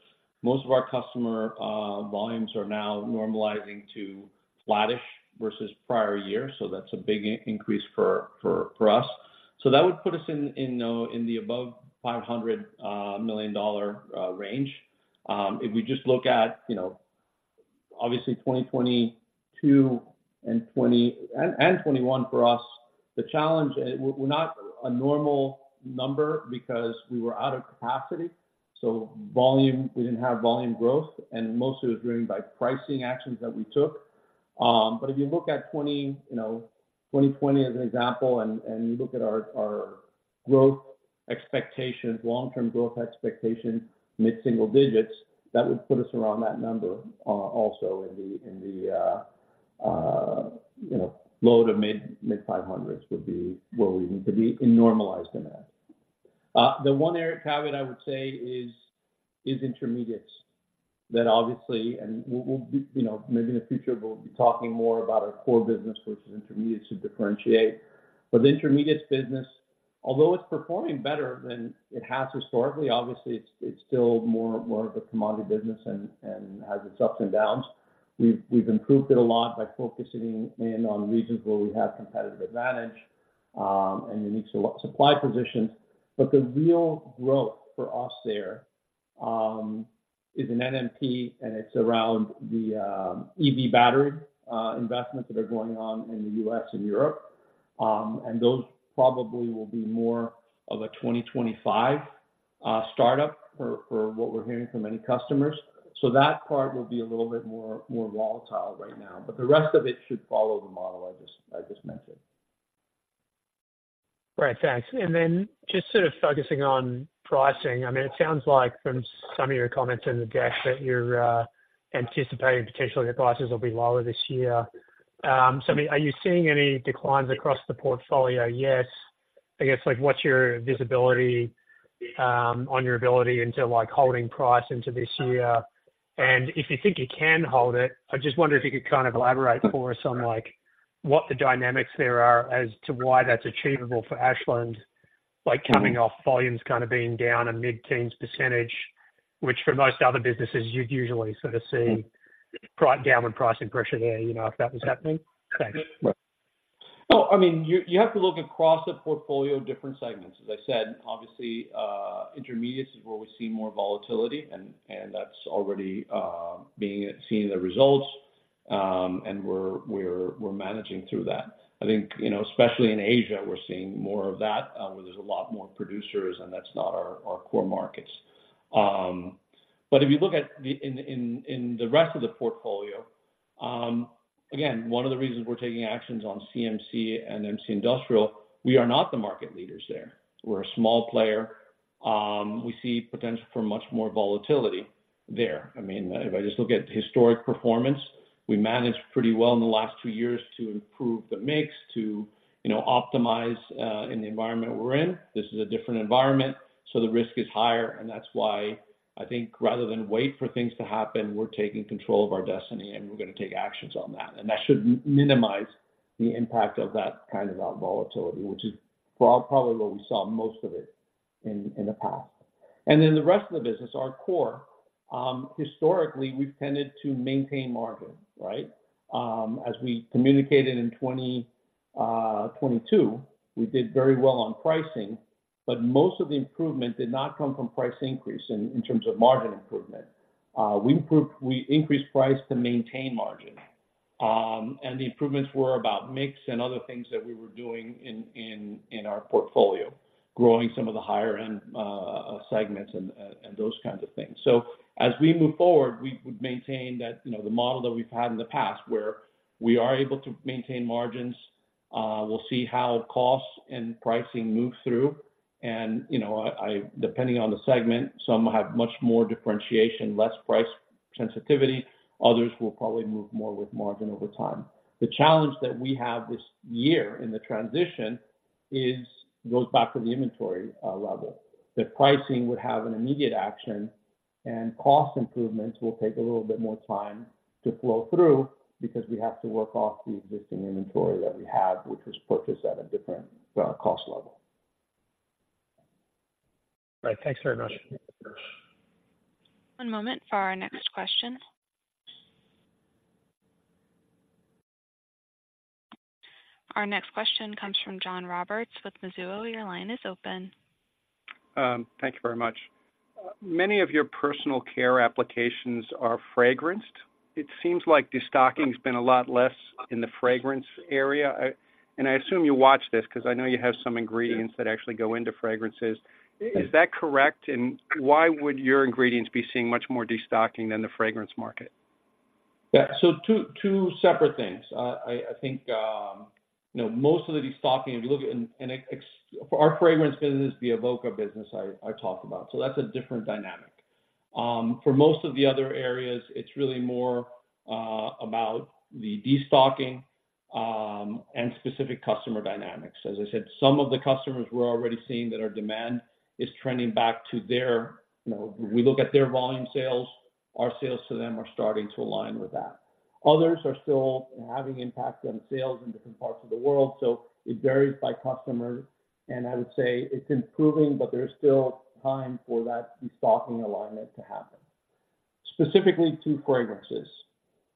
most of our customer volumes are now normalizing to flattish versus prior year, so that's a big increase for us. So that would put us in the above $500 million range. If we just look at, you know, obviously 2022 and 2021 for us, the challenge, we're not a normal number because we were out of capacity, so volume—we didn't have volume growth, and most of it was driven by pricing actions that we took. But if you look at 20, you know, 2020 as an example, and you look at our growth expectations, long-term growth expectations, mid-single digits, that would put us around that number. Also in the low- to mid-500s would be where we need to be in normalized in that. The one area caveat I would say is Intermediates. That obviously, and we'll you know, maybe in the future, we'll be talking more about our core business versus Intermediates to differentiate. But the Intermediates business, although it's performing better than it has historically, obviously it's still more of a commodity business and has its ups and downs. We've improved it a lot by focusing in on regions where we have competitive advantage and unique supply positions. But the real growth for us there is in NMP, and it's around the EV battery investments that are going on in the U.S. and Europe. And those probably will be more of a 2025 startup for what we're hearing from many customers. So that part will be a little bit more volatile right now, but the rest of it should follow the model I just mentioned. Right. Thanks. And then just sort of focusing on pricing, I mean, it sounds like from some of your comments in the deck, that you're anticipating potentially your prices will be lower this year. So, I mean, are you seeing any declines across the portfolio yet? I guess, like, what's your visibility on your ability into, like, holding price into this year? And if you think you can hold it, I just wonder if you could kind of elaborate for us on, like, what the dynamics there are as to why that's achievable for Ashland, like coming off volumes kind of being down a mid-teens %, which for most other businesses, you'd usually sort of see price downward pricing pressure there, you know, if that was happening? Thanks. Well, I mean, you have to look across a portfolio of different segments. As I said, obviously, Intermediates is where we see more volatility and that's already being seen in the results, and we're managing through that. I think, you know, especially in Asia, we're seeing more of that, where there's a lot more producers, and that's not our core markets. But if you look at in the rest of the portfolio, again, one of the reasons we're taking actions on CMC and MC Industrial, we are not the market leaders there. We're a small player. We see potential for much more volatility there. I mean, if I just look at historic performance, we managed pretty well in the last two years to improve the mix, to, you know, optimize, in the environment we're in. This is a different environment, so the risk is higher, and that's why I think rather than wait for things to happen, we're taking control of our destiny, and we're gonna take actions on that. And that should minimize the impact of that kind of volatility, which is probably what we saw most of it in, in the past. And then the rest of the business, our core, historically, we've tended to maintain margin, right? As we communicated in 2022, we did very well on pricing, but most of the improvement did not come from price increase in, in terms of margin improvement. We increased price to maintain margin. and the improvements were about mix and other things that we were doing in our portfolio, growing some of the higher-end segments and those kinds of things. So as we move forward, we would maintain that, you know, the model that we've had in the past, where we are able to maintain margins, we'll see how costs and pricing move through. And, you know, I depending on the segment, some have much more differentiation, less price sensitivity, others will probably move more with margin over time. The challenge that we have this year in the transition is, goes back to the inventory level. That pricing would have an immediate action, and cost improvements will take a little bit more time to flow through because we have to work off the existing inventory that we have, which was purchased at a different cost level. Right. Thanks very much. One moment for our next question. Our next question comes from John Roberts with Mizuho. Your line is open. Thank you very much. Many of your personal care applications are fragranced. It seems like destocking has been a lot less in the fragrance area. And I assume you watch this, 'cause I know you have some ingredients that actually go into fragrances. It is. Is that correct? Why would your ingredients be seeing much more destocking than the fragrance market? Yeah, so two separate things. I think, you know, most of the destocking, if you look at... and except for our fragrance business, the Avoca business I talked about, so that's a different dynamic. For most of the other areas, it's really more about the destocking and specific customer dynamics. As I said, some of the customers we're already seeing that our demand is trending back to their... You know, we look at their volume sales, our sales to them are starting to align with that. Others are still having impact on sales in different parts of the world, so it varies by customer, and I would say it's improving, but there's still time for that destocking alignment to happen. Specifically to fragrances,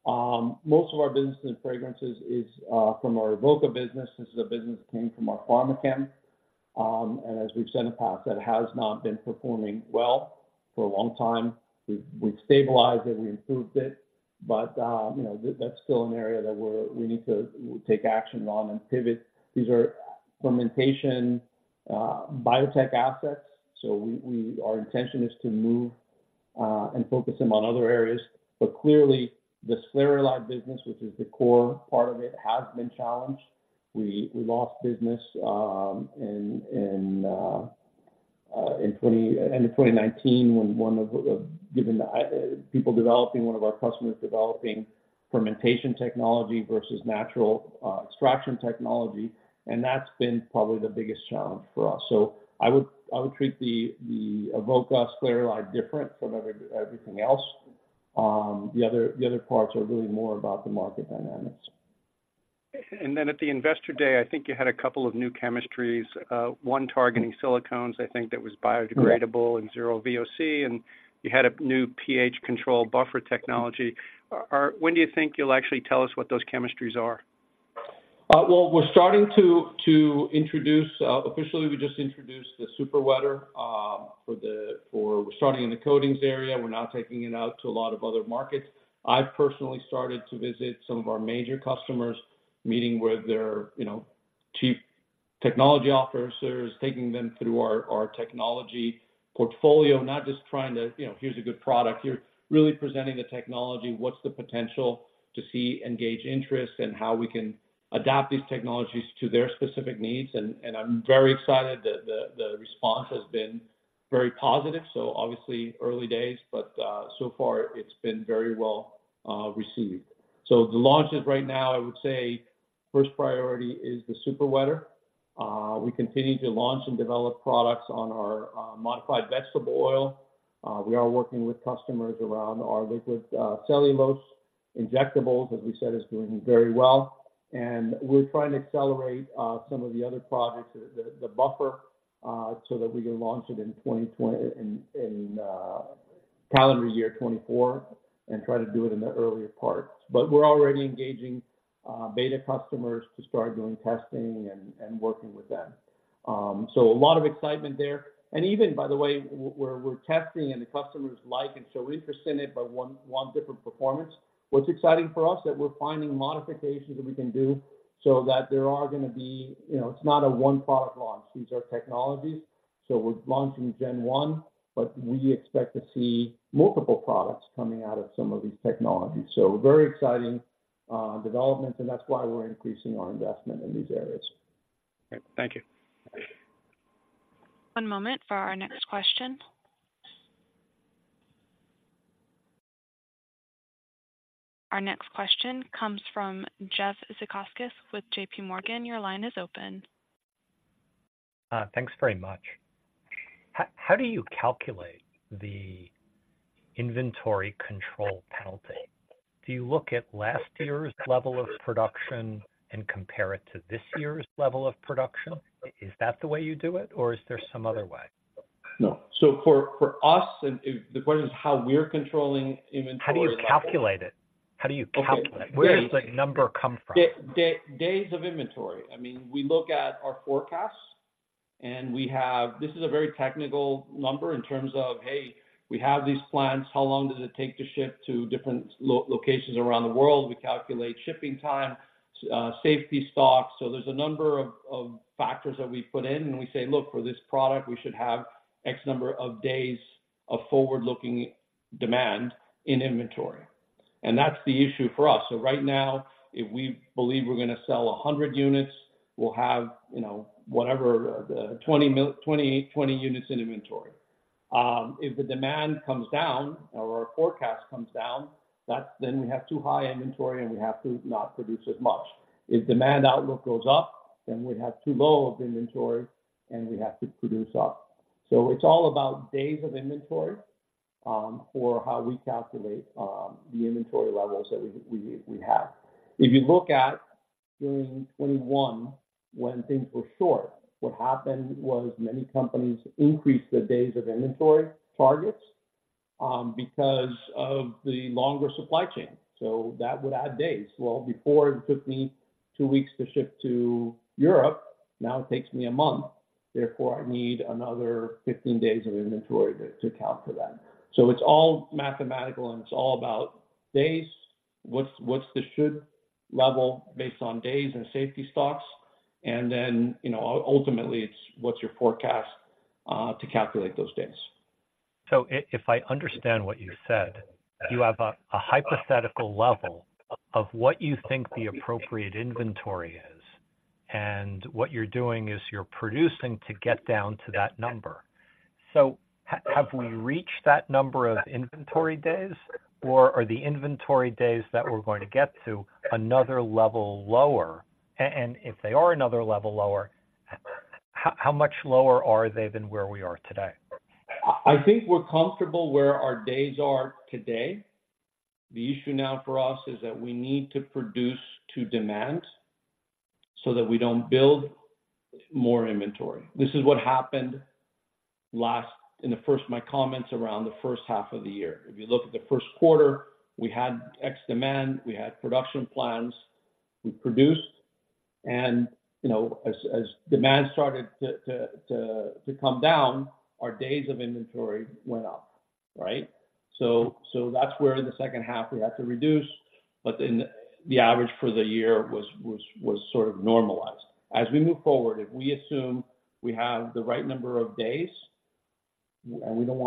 most of our business in fragrances is from our Avoca business. This is a business that came from our Pharmachem. And as we've said in the past, that has not been performing well for a long time. We've stabilized it, we improved it, but you know, that's still an area that we need to take action on and pivot. These are fermentation biotech assets, so our intention is to move and focus them on other areas. But clearly, the sclareolide business, which is the core part of it, has been challenged. We lost business at the end of 2019 when one of our customers developing fermentation technology versus natural extraction technology, and that's been probably the biggest challenge for us. So I would treat the Avoca sclareolide different from everything else. The other parts are really more about the market dynamics. At the Investor Day, I think you had a couple of new chemistries, one targeting silicones, I think that was biodegradable- Yeah... and zero VOC, and you had a new pH control buffer technology. When do you think you'll actually tell us what those chemistries are? Well, we're starting to introduce officially; we just introduced the Super Wetter for starting in the coatings area. We're now taking it out to a lot of other markets. I've personally started to visit some of our major customers, meeting with their, you know, chief technology officers, taking them through our technology portfolio, not just trying to, you know, "Here's a good product." You're really presenting the technology, what's the potential to see and gauge interest, and how we can adapt these technologies to their specific needs. And I'm very excited that the response has been very positive, so obviously early days, but so far it's been very well received. So the launches right now, I would say first priority is the Super Wetter. We continue to launch and develop products on our modified vegetable oil. We are working with customers around our liquid cellulose injectables, as we said, is doing very well. And we're trying to accelerate some of the other products, the buffer, so that we can launch it in twenty twen- in, in, calendar year 2024 and try to do it in the earlier parts. But we're already engaging beta customers to start doing testing and working with them. So a lot of excitement there. And even by the way, we're testing and the customers like, and so we've presented by one, one different performance. What's exciting for us, that we're finding modifications that we can do so that there are going to be... You know, it's not a one-product launch. These are technologies, so we're launching gen one, but we expect to see multiple products coming out of some of these technologies. So very exciting developments, and that's why we're increasing our investment in these areas. Great. Thank you. One moment for our next question. Our next question comes from Jeff Zekauskas with JPMorgan. Your line is open. Thanks very much. How do you calculate the inventory control penalty? Do you look at last year's level of production and compare it to this year's level of production? Is that the way you do it, or is there some other way? No. So for us, and if the question is how we're controlling inventory- How do you calculate it? How do you calculate? Okay. Where does the number come from? Days of inventory. I mean, we look at our forecasts. And we have this is a very technical number in terms of, hey, we have these plants, how long does it take to ship to different locations around the world? We calculate shipping time, safety stocks. So there's a number of factors that we put in, and we say: Look, for this product, we should have X number of days of forward-looking demand in inventory. And that's the issue for us. So right now, if we believe we're gonna sell 100 units, we'll have, you know, whatever, the 20, 20 units in inventory. If the demand comes down or our forecast comes down, that's when we have too high inventory and we have to not produce as much. If demand outlook goes up, then we have too low of inventory and we have to produce up. So it's all about days of inventory for how we calculate the inventory levels that we have. If you look at during 2021, when things were short, what happened was many companies increased their days of inventory targets because of the longer supply chain. So that would add days. Well, before it took me two weeks to ship to Europe, now it takes me a month. Therefore, I need another 15 days of inventory to account for that. So it's all mathematical, and it's all about days, what's the should level based on days and safety stocks, and then, you know, ultimately, it's what's your forecast to calculate those days. So if I understand what you said, you have a hypothetical level of what you think the appropriate inventory is, and what you're doing is you're producing to get down to that number. So have we reached that number of inventory days, or are the inventory days that we're going to get to another level lower? And if they are another level lower, how much lower are they than where we are today? I think we're comfortable where our days are today. The issue now for us is that we need to produce to demand so that we don't build more inventory. This is what happened last year. In the first—my comments around the first half of the year. If you look at the first quarter, we had X demand, we had production plans, we produced, and, you know, as demand started to come down, our days of inventory went up, right? So that's where in the second half we had to reduce, but then the average for the year was sort of normalized. As we move forward, if we assume we have the right number of days, and we don't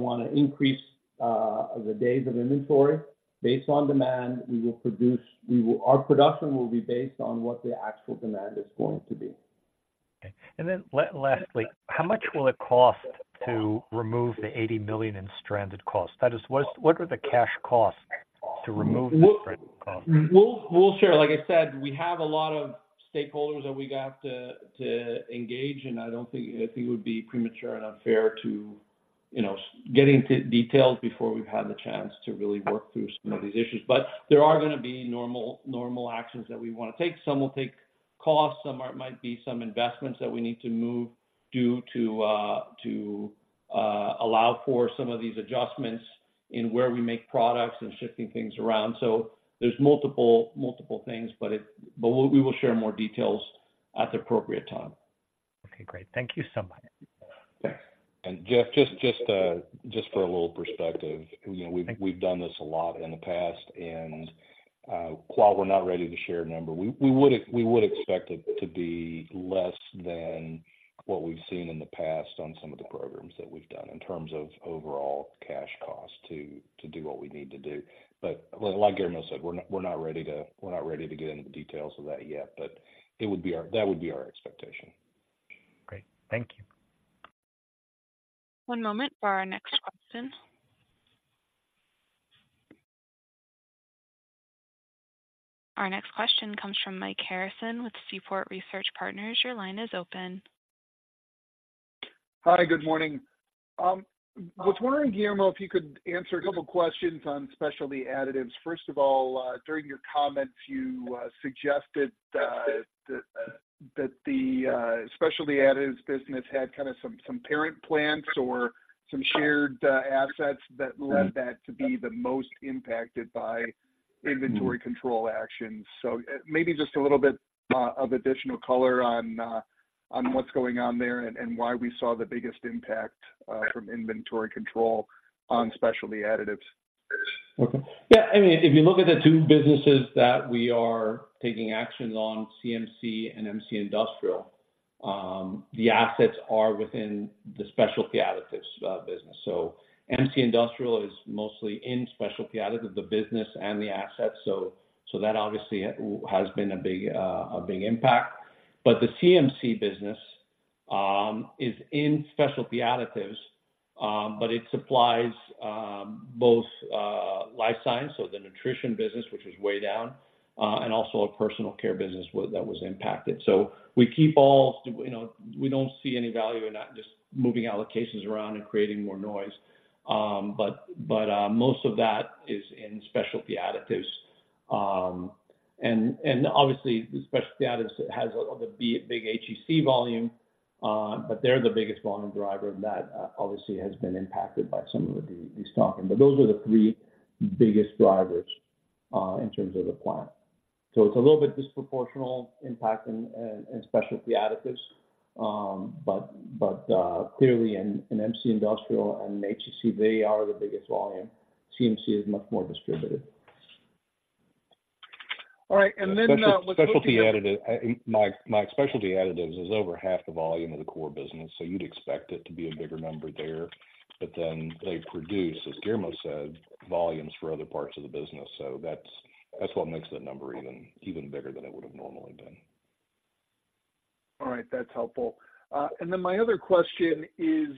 wanna increase the days of inventory, based on demand, our production will be based on what the actual demand is going to be. Okay. And then lastly, how much will it cost to remove the $80 million in stranded costs? That is, what are the cash costs to remove the stranded costs? We'll share. Like I said, we have a lot of stakeholders that we have to engage, and I don't think, I think it would be premature and unfair to, you know, get into details before we've had the chance to really work through some of these issues. But there are gonna be normal actions that we wanna take. Some will take costs, some might be some investments that we need to move due to allow for some of these adjustments in where we make products and shifting things around. So there's multiple things, but we will share more details at the appropriate time. Okay, great. Thank you so much. Thanks. And Jeff, just for a little perspective, you know, we've done this a lot in the past, and while we're not ready to share a number, we would expect it to be less than what we've seen in the past on some of the programs that we've done in terms of overall cash costs to do what we need to do. But like Guillermo said, we're not ready to get into the details of that yet, but it would be our expectation. Great. Thank you. One moment for our next question. Our next question comes from Mike Harrison with Seaport Research Partners. Your line is open. Hi, good morning. Was wondering, Guillermo, if you could answer a couple questions on Specialty Additives. First of all, during your comments, you suggested that the Specialty Additives business had kind of some parent plants or some shared assets that led that to be the most impacted by inventory control actions. So, maybe just a little bit of additional color on what's going on there and why we saw the biggest impact from inventory control on Specialty Additives. Okay. Yeah, I mean, if you look at the two businesses that we are taking actions on, CMC and MC Industrial, the assets are within the Specialty Additives business. So MC Industrial is mostly in Specialty Additives, the business and the assets, so that obviously has been a big a big impact. But the CMC business is in Specialty Additives, but it supplies both Life Sciences, so the nutrition business, which is way down, and also a Personal Care business that was impacted. So we keep all... You know, we don't see any value in not just moving allocations around and creating more noise. But most of that is in Specialty Additives. And obviously, the Specialty Additives has the big HEC volume, but they're the biggest volume driver, and that obviously has been impacted by some of the destocking. But those are the three biggest drivers in terms of the plant. So it's a little bit disproportionate impact in Specialty Additives. But clearly in MC Industrial and HEC, they are the biggest volume. CMC is much more distributed. All right, and then, Specialty Additives. My Specialty Additives is over half the volume of the core business, so you'd expect it to be a bigger number there. But then they produce, as Guillermo said, volumes for other parts of the business. So that's what makes that number even bigger than it would have normally been. All right. That's helpful. And then my other question is,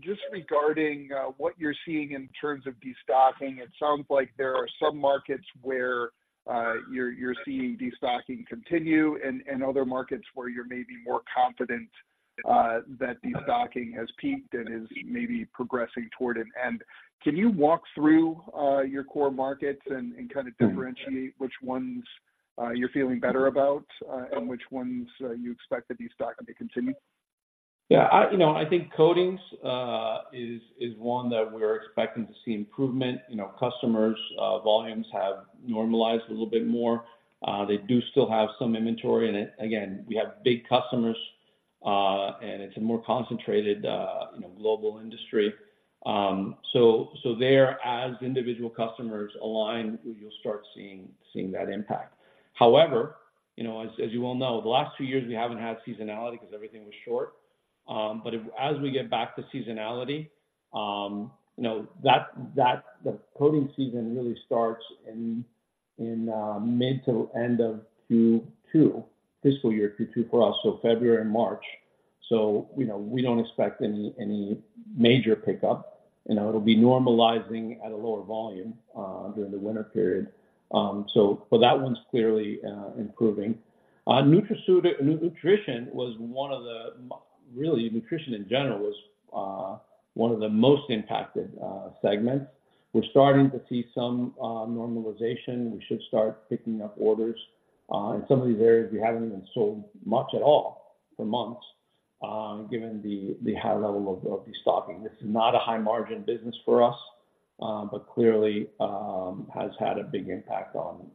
just regarding what you're seeing in terms of destocking. It sounds like there are some markets where you're seeing destocking continue and other markets where you're maybe more confident that destocking has peaked and is maybe progressing toward an end. Can you walk through your core markets and kind of differentiate which ones you're feeling better about and which ones you expect that destocking to continue? Yeah, you know, I think coatings is one that we're expecting to see improvement. You know, customers volumes have normalized a little bit more. They do still have some inventory in it. Again, we have big customers, and it's a more concentrated, you know, global industry. So there, as individual customers align, you'll start seeing that impact. However, you know, as you well know, the last two years we haven't had seasonality because everything was short. But as we get back to seasonality, you know, the coating season really starts in mid to end of Q2, fiscal year Q2 for us, so February and March. So, you know, we don't expect any major pickup. You know, it'll be normalizing at a lower volume during the winter period. So, but that one's clearly improving. Nutrition was one of the, really, nutrition in general was one of the most impacted segments. We're starting to see some normalization. We should start picking up orders. In some of these areas, we haven't even sold much at all for months, given the high level of destocking. This is not a high margin business for us, but clearly has had a big impact on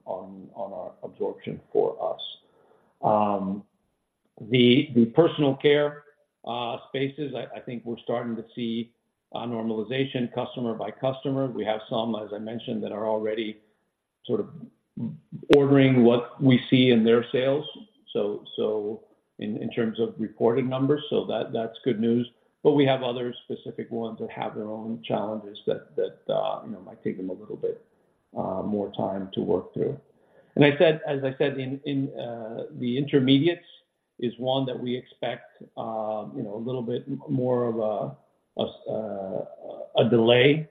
our absorption for us. The personal care spaces, I think we're starting to see a normalization customer by customer. We have some, as I mentioned, that are already sort of more ordering what we see in their sales, so in terms of reported numbers, so that that's good news. But we have other specific ones that have their own challenges that, that, you know, might take them a little bit more time to work through. And I said, as I said, in, in, the Intermediates is one that we expect, you know, a little bit more of a delay,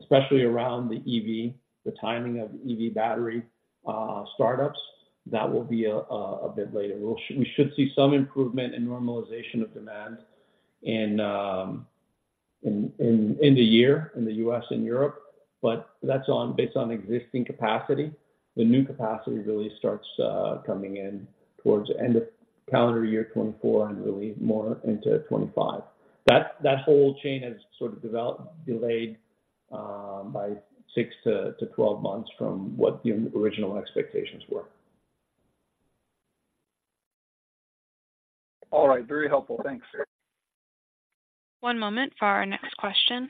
especially around the EV, the timing of EV battery startups. That will be a bit later. We should see some improvement in normalization of demand in the year, in the U.S. and Europe, but that's on, based on existing capacity. The new capacity really starts coming in towards the end of calendar year 2024 and really more into 2025. That whole chain has sort of developed delayed by six-12 months from what the original expectations were. All right. Very helpful. Thanks. One moment for our next question.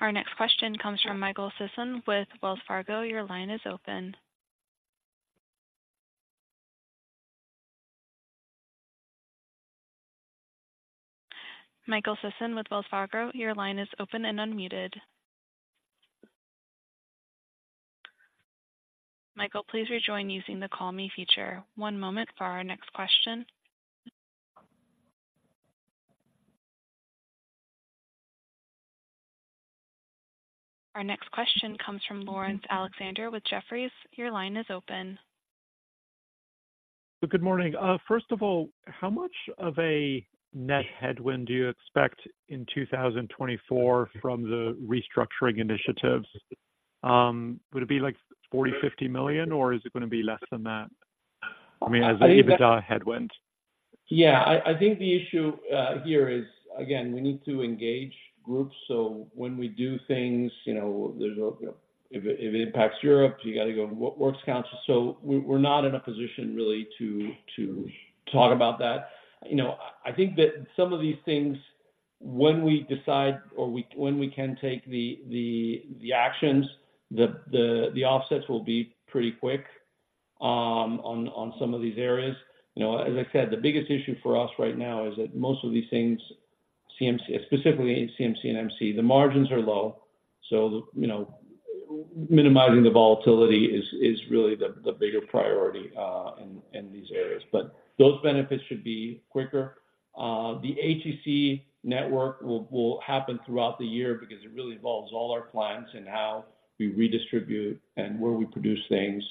Our next question comes from Michael Sison with Wells Fargo. Your line is open. Michael Sison with Wells Fargo, your line is open and unmuted. Michael, please rejoin using the Call Me feature. One moment for our next question. Our next question comes from Laurence Alexander with Jefferies. Your line is open. Good morning. First of all, how much of a net headwind do you expect in 2024 from the restructuring initiatives? Would it be like $40 million, $50 million, or is it going to be less than that? I mean, as an EBITDA headwind. Yeah, I think the issue here is, again, we need to engage groups. So when we do things, you know, there's, if it impacts Europe, you got to go to Works Council. So we're not in a position really to talk about that. You know, I think that some of these things, when we decide or we—when we can take the actions, the offsets will be pretty quick, on some of these areas. You know, as I said, the biggest issue for us right now is that most of these things, CMC, specifically CMC and MC, the margins are low. So, you know, minimizing the volatility is really the bigger priority in these areas. But those benefits should be quicker. The HEC network will happen throughout the year because it really involves all our clients and how we redistribute and where we produce things.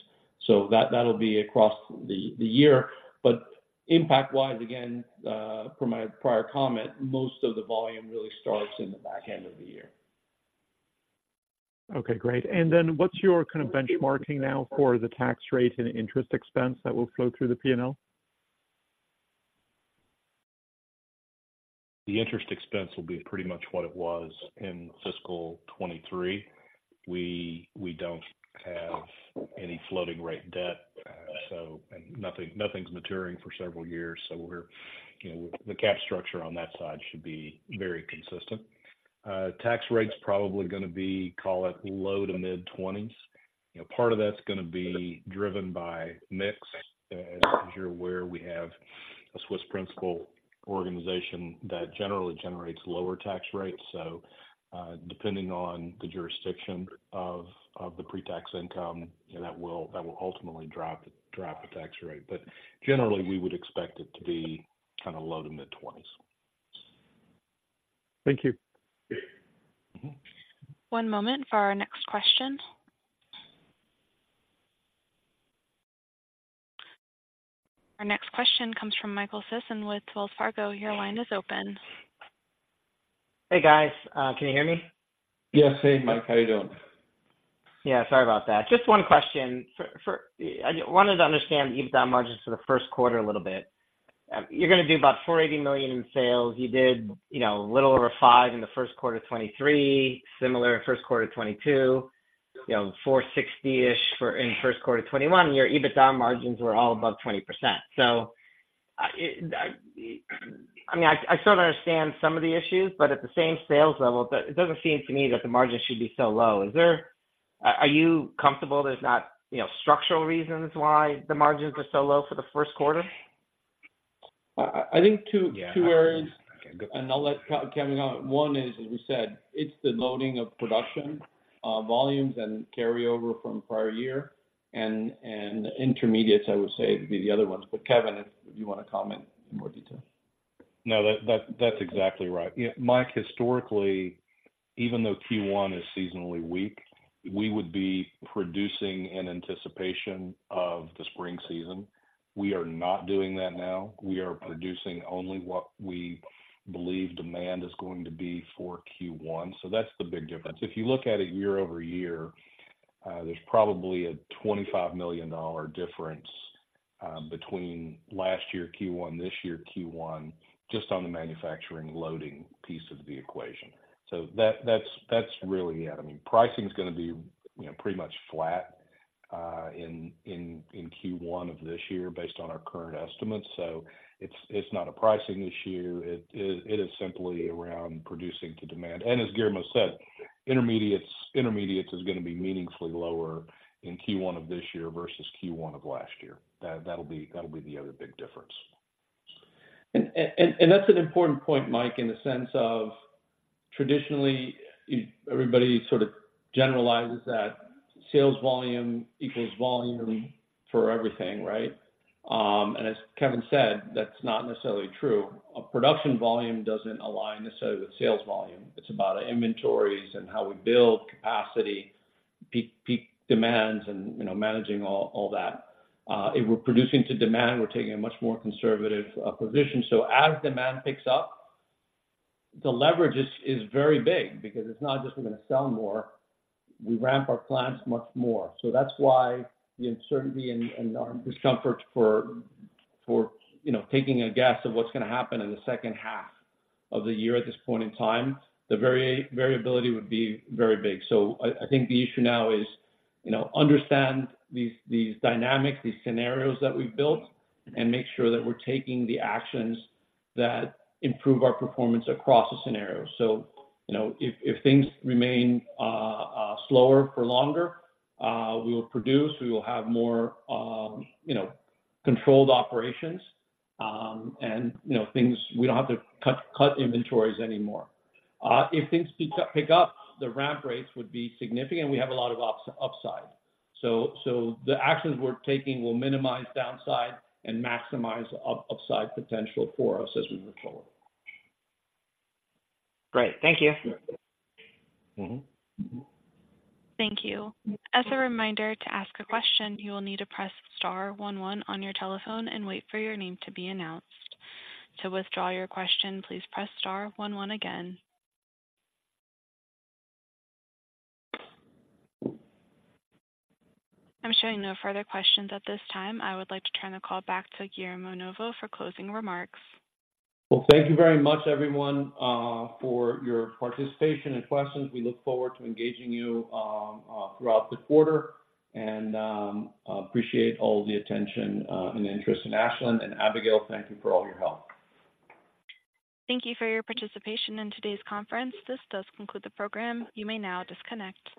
So that, that'll be across the year. But impact-wise, again, from my prior comment, most of the volume really starts in the back end of the year.... Okay, great. Then what's your kind of benchmarking now for the tax rate and interest expense that will flow through the P&L? The interest expense will be pretty much what it was in fiscal 2023. We, we don't have any floating rate debt, so and nothing, nothing's maturing for several years. So we're, you know, the cap structure on that side should be very consistent. Tax rates probably gonna be, call it, low- to mid-20s. You know, part of that's gonna be driven by mix. As, as you're aware, we have a Swiss principal organization that generally generates lower tax rates. So, depending on the jurisdiction of, of the pre-tax income, that will, that will ultimately drive the, drive the tax rate. But generally, we would expect it to be kind of low- to mid-20s. Thank you. Mm-hmm. One moment for our next question. Our next question comes from Michael Sison with Wells Fargo. Your line is open. Hey, guys. Can you hear me? Yes. Hey, Mike. How are you doing? Yeah, sorry about that. Just one question. I wanted to understand the EBITDA margins for the first quarter a little bit. You're gonna do about $480 million in sales. You did, you know, a little over $500 million in the first quarter of 2023, similar first quarter of 2022, you know, $460-ish million in first quarter of 2021. Your EBITDA margins were all above 20%. So, I mean, I sort of understand some of the issues, but at the same sales level, it doesn't seem to me that the margins should be so low. Is there... Are you comfortable there's not, you know, structural reasons why the margins are so low for the first quarter? I think two- Yeah. Two areas, and I'll let Kevin comment. One is, as we said, it's the loading of production volumes and carryover from prior year, and Intermediates, I would say, would be the other ones. But, Kevin, if you want to comment in more detail. No, that's exactly right. Yeah, Mike, historically, even though Q1 is seasonally weak, we would be producing in anticipation of the spring season. We are not doing that now. We are producing only what we believe demand is going to be for Q1. So that's the big difference. If you look at it year-over-year, there's probably a $25 million difference between last year Q1, this year Q1, just on the manufacturing loading piece of the equation. So that's really it. I mean, pricing is gonna be, you know, pretty much flat in Q1 of this year based on our current estimates. So it's not a pricing issue, it is simply around producing to demand. And as Guillermo said, Intermediates is gonna be meaningfully lower in Q1 of this year versus Q1 of last year. That, that'll be the other big difference. That's an important point, Mike, in the sense of, traditionally, you, everybody sort of generalizes that sales volume equals volume for everything, right? And as Kevin said, that's not necessarily true. A production volume doesn't align necessarily with sales volume. It's about inventories and how we build capacity, peak demands, and, you know, managing all that. If we're producing to demand, we're taking a much more conservative position. So as demand picks up, the leverage is very big because it's not just we're gonna sell more, we ramp our plants much more. So that's why the uncertainty and our discomfort for, you know, taking a guess of what's gonna happen in the second half of the year at this point in time, the variability would be very big. So I think the issue now is, you know, understand these dynamics, these scenarios that we've built, and make sure that we're taking the actions that improve our performance across the scenarios. So, you know, if things remain slower for longer, we will produce, we will have more, you know, controlled operations, and, you know, things, we don't have to cut inventories anymore. If things pick up, the ramp rates would be significant, we have a lot of upside. So the actions we're taking will minimize downside and maximize upside potential for us as we move forward. Great. Thank you. Mm-hmm. Thank you. As a reminder, to ask a question, you will need to press star one one on your telephone and wait for your name to be announced. To withdraw your question, please press star one one again. I'm showing no further questions at this time. I would like to turn the call back to Guillermo Novo for closing remarks. Well, thank you very much, everyone, for your participation and questions. We look forward to engaging you throughout the quarter, and I appreciate all the attention and interest in Ashland. Abigail, thank you for all your help. Thank you for your participation in today's conference. This does conclude the program. You may now disconnect.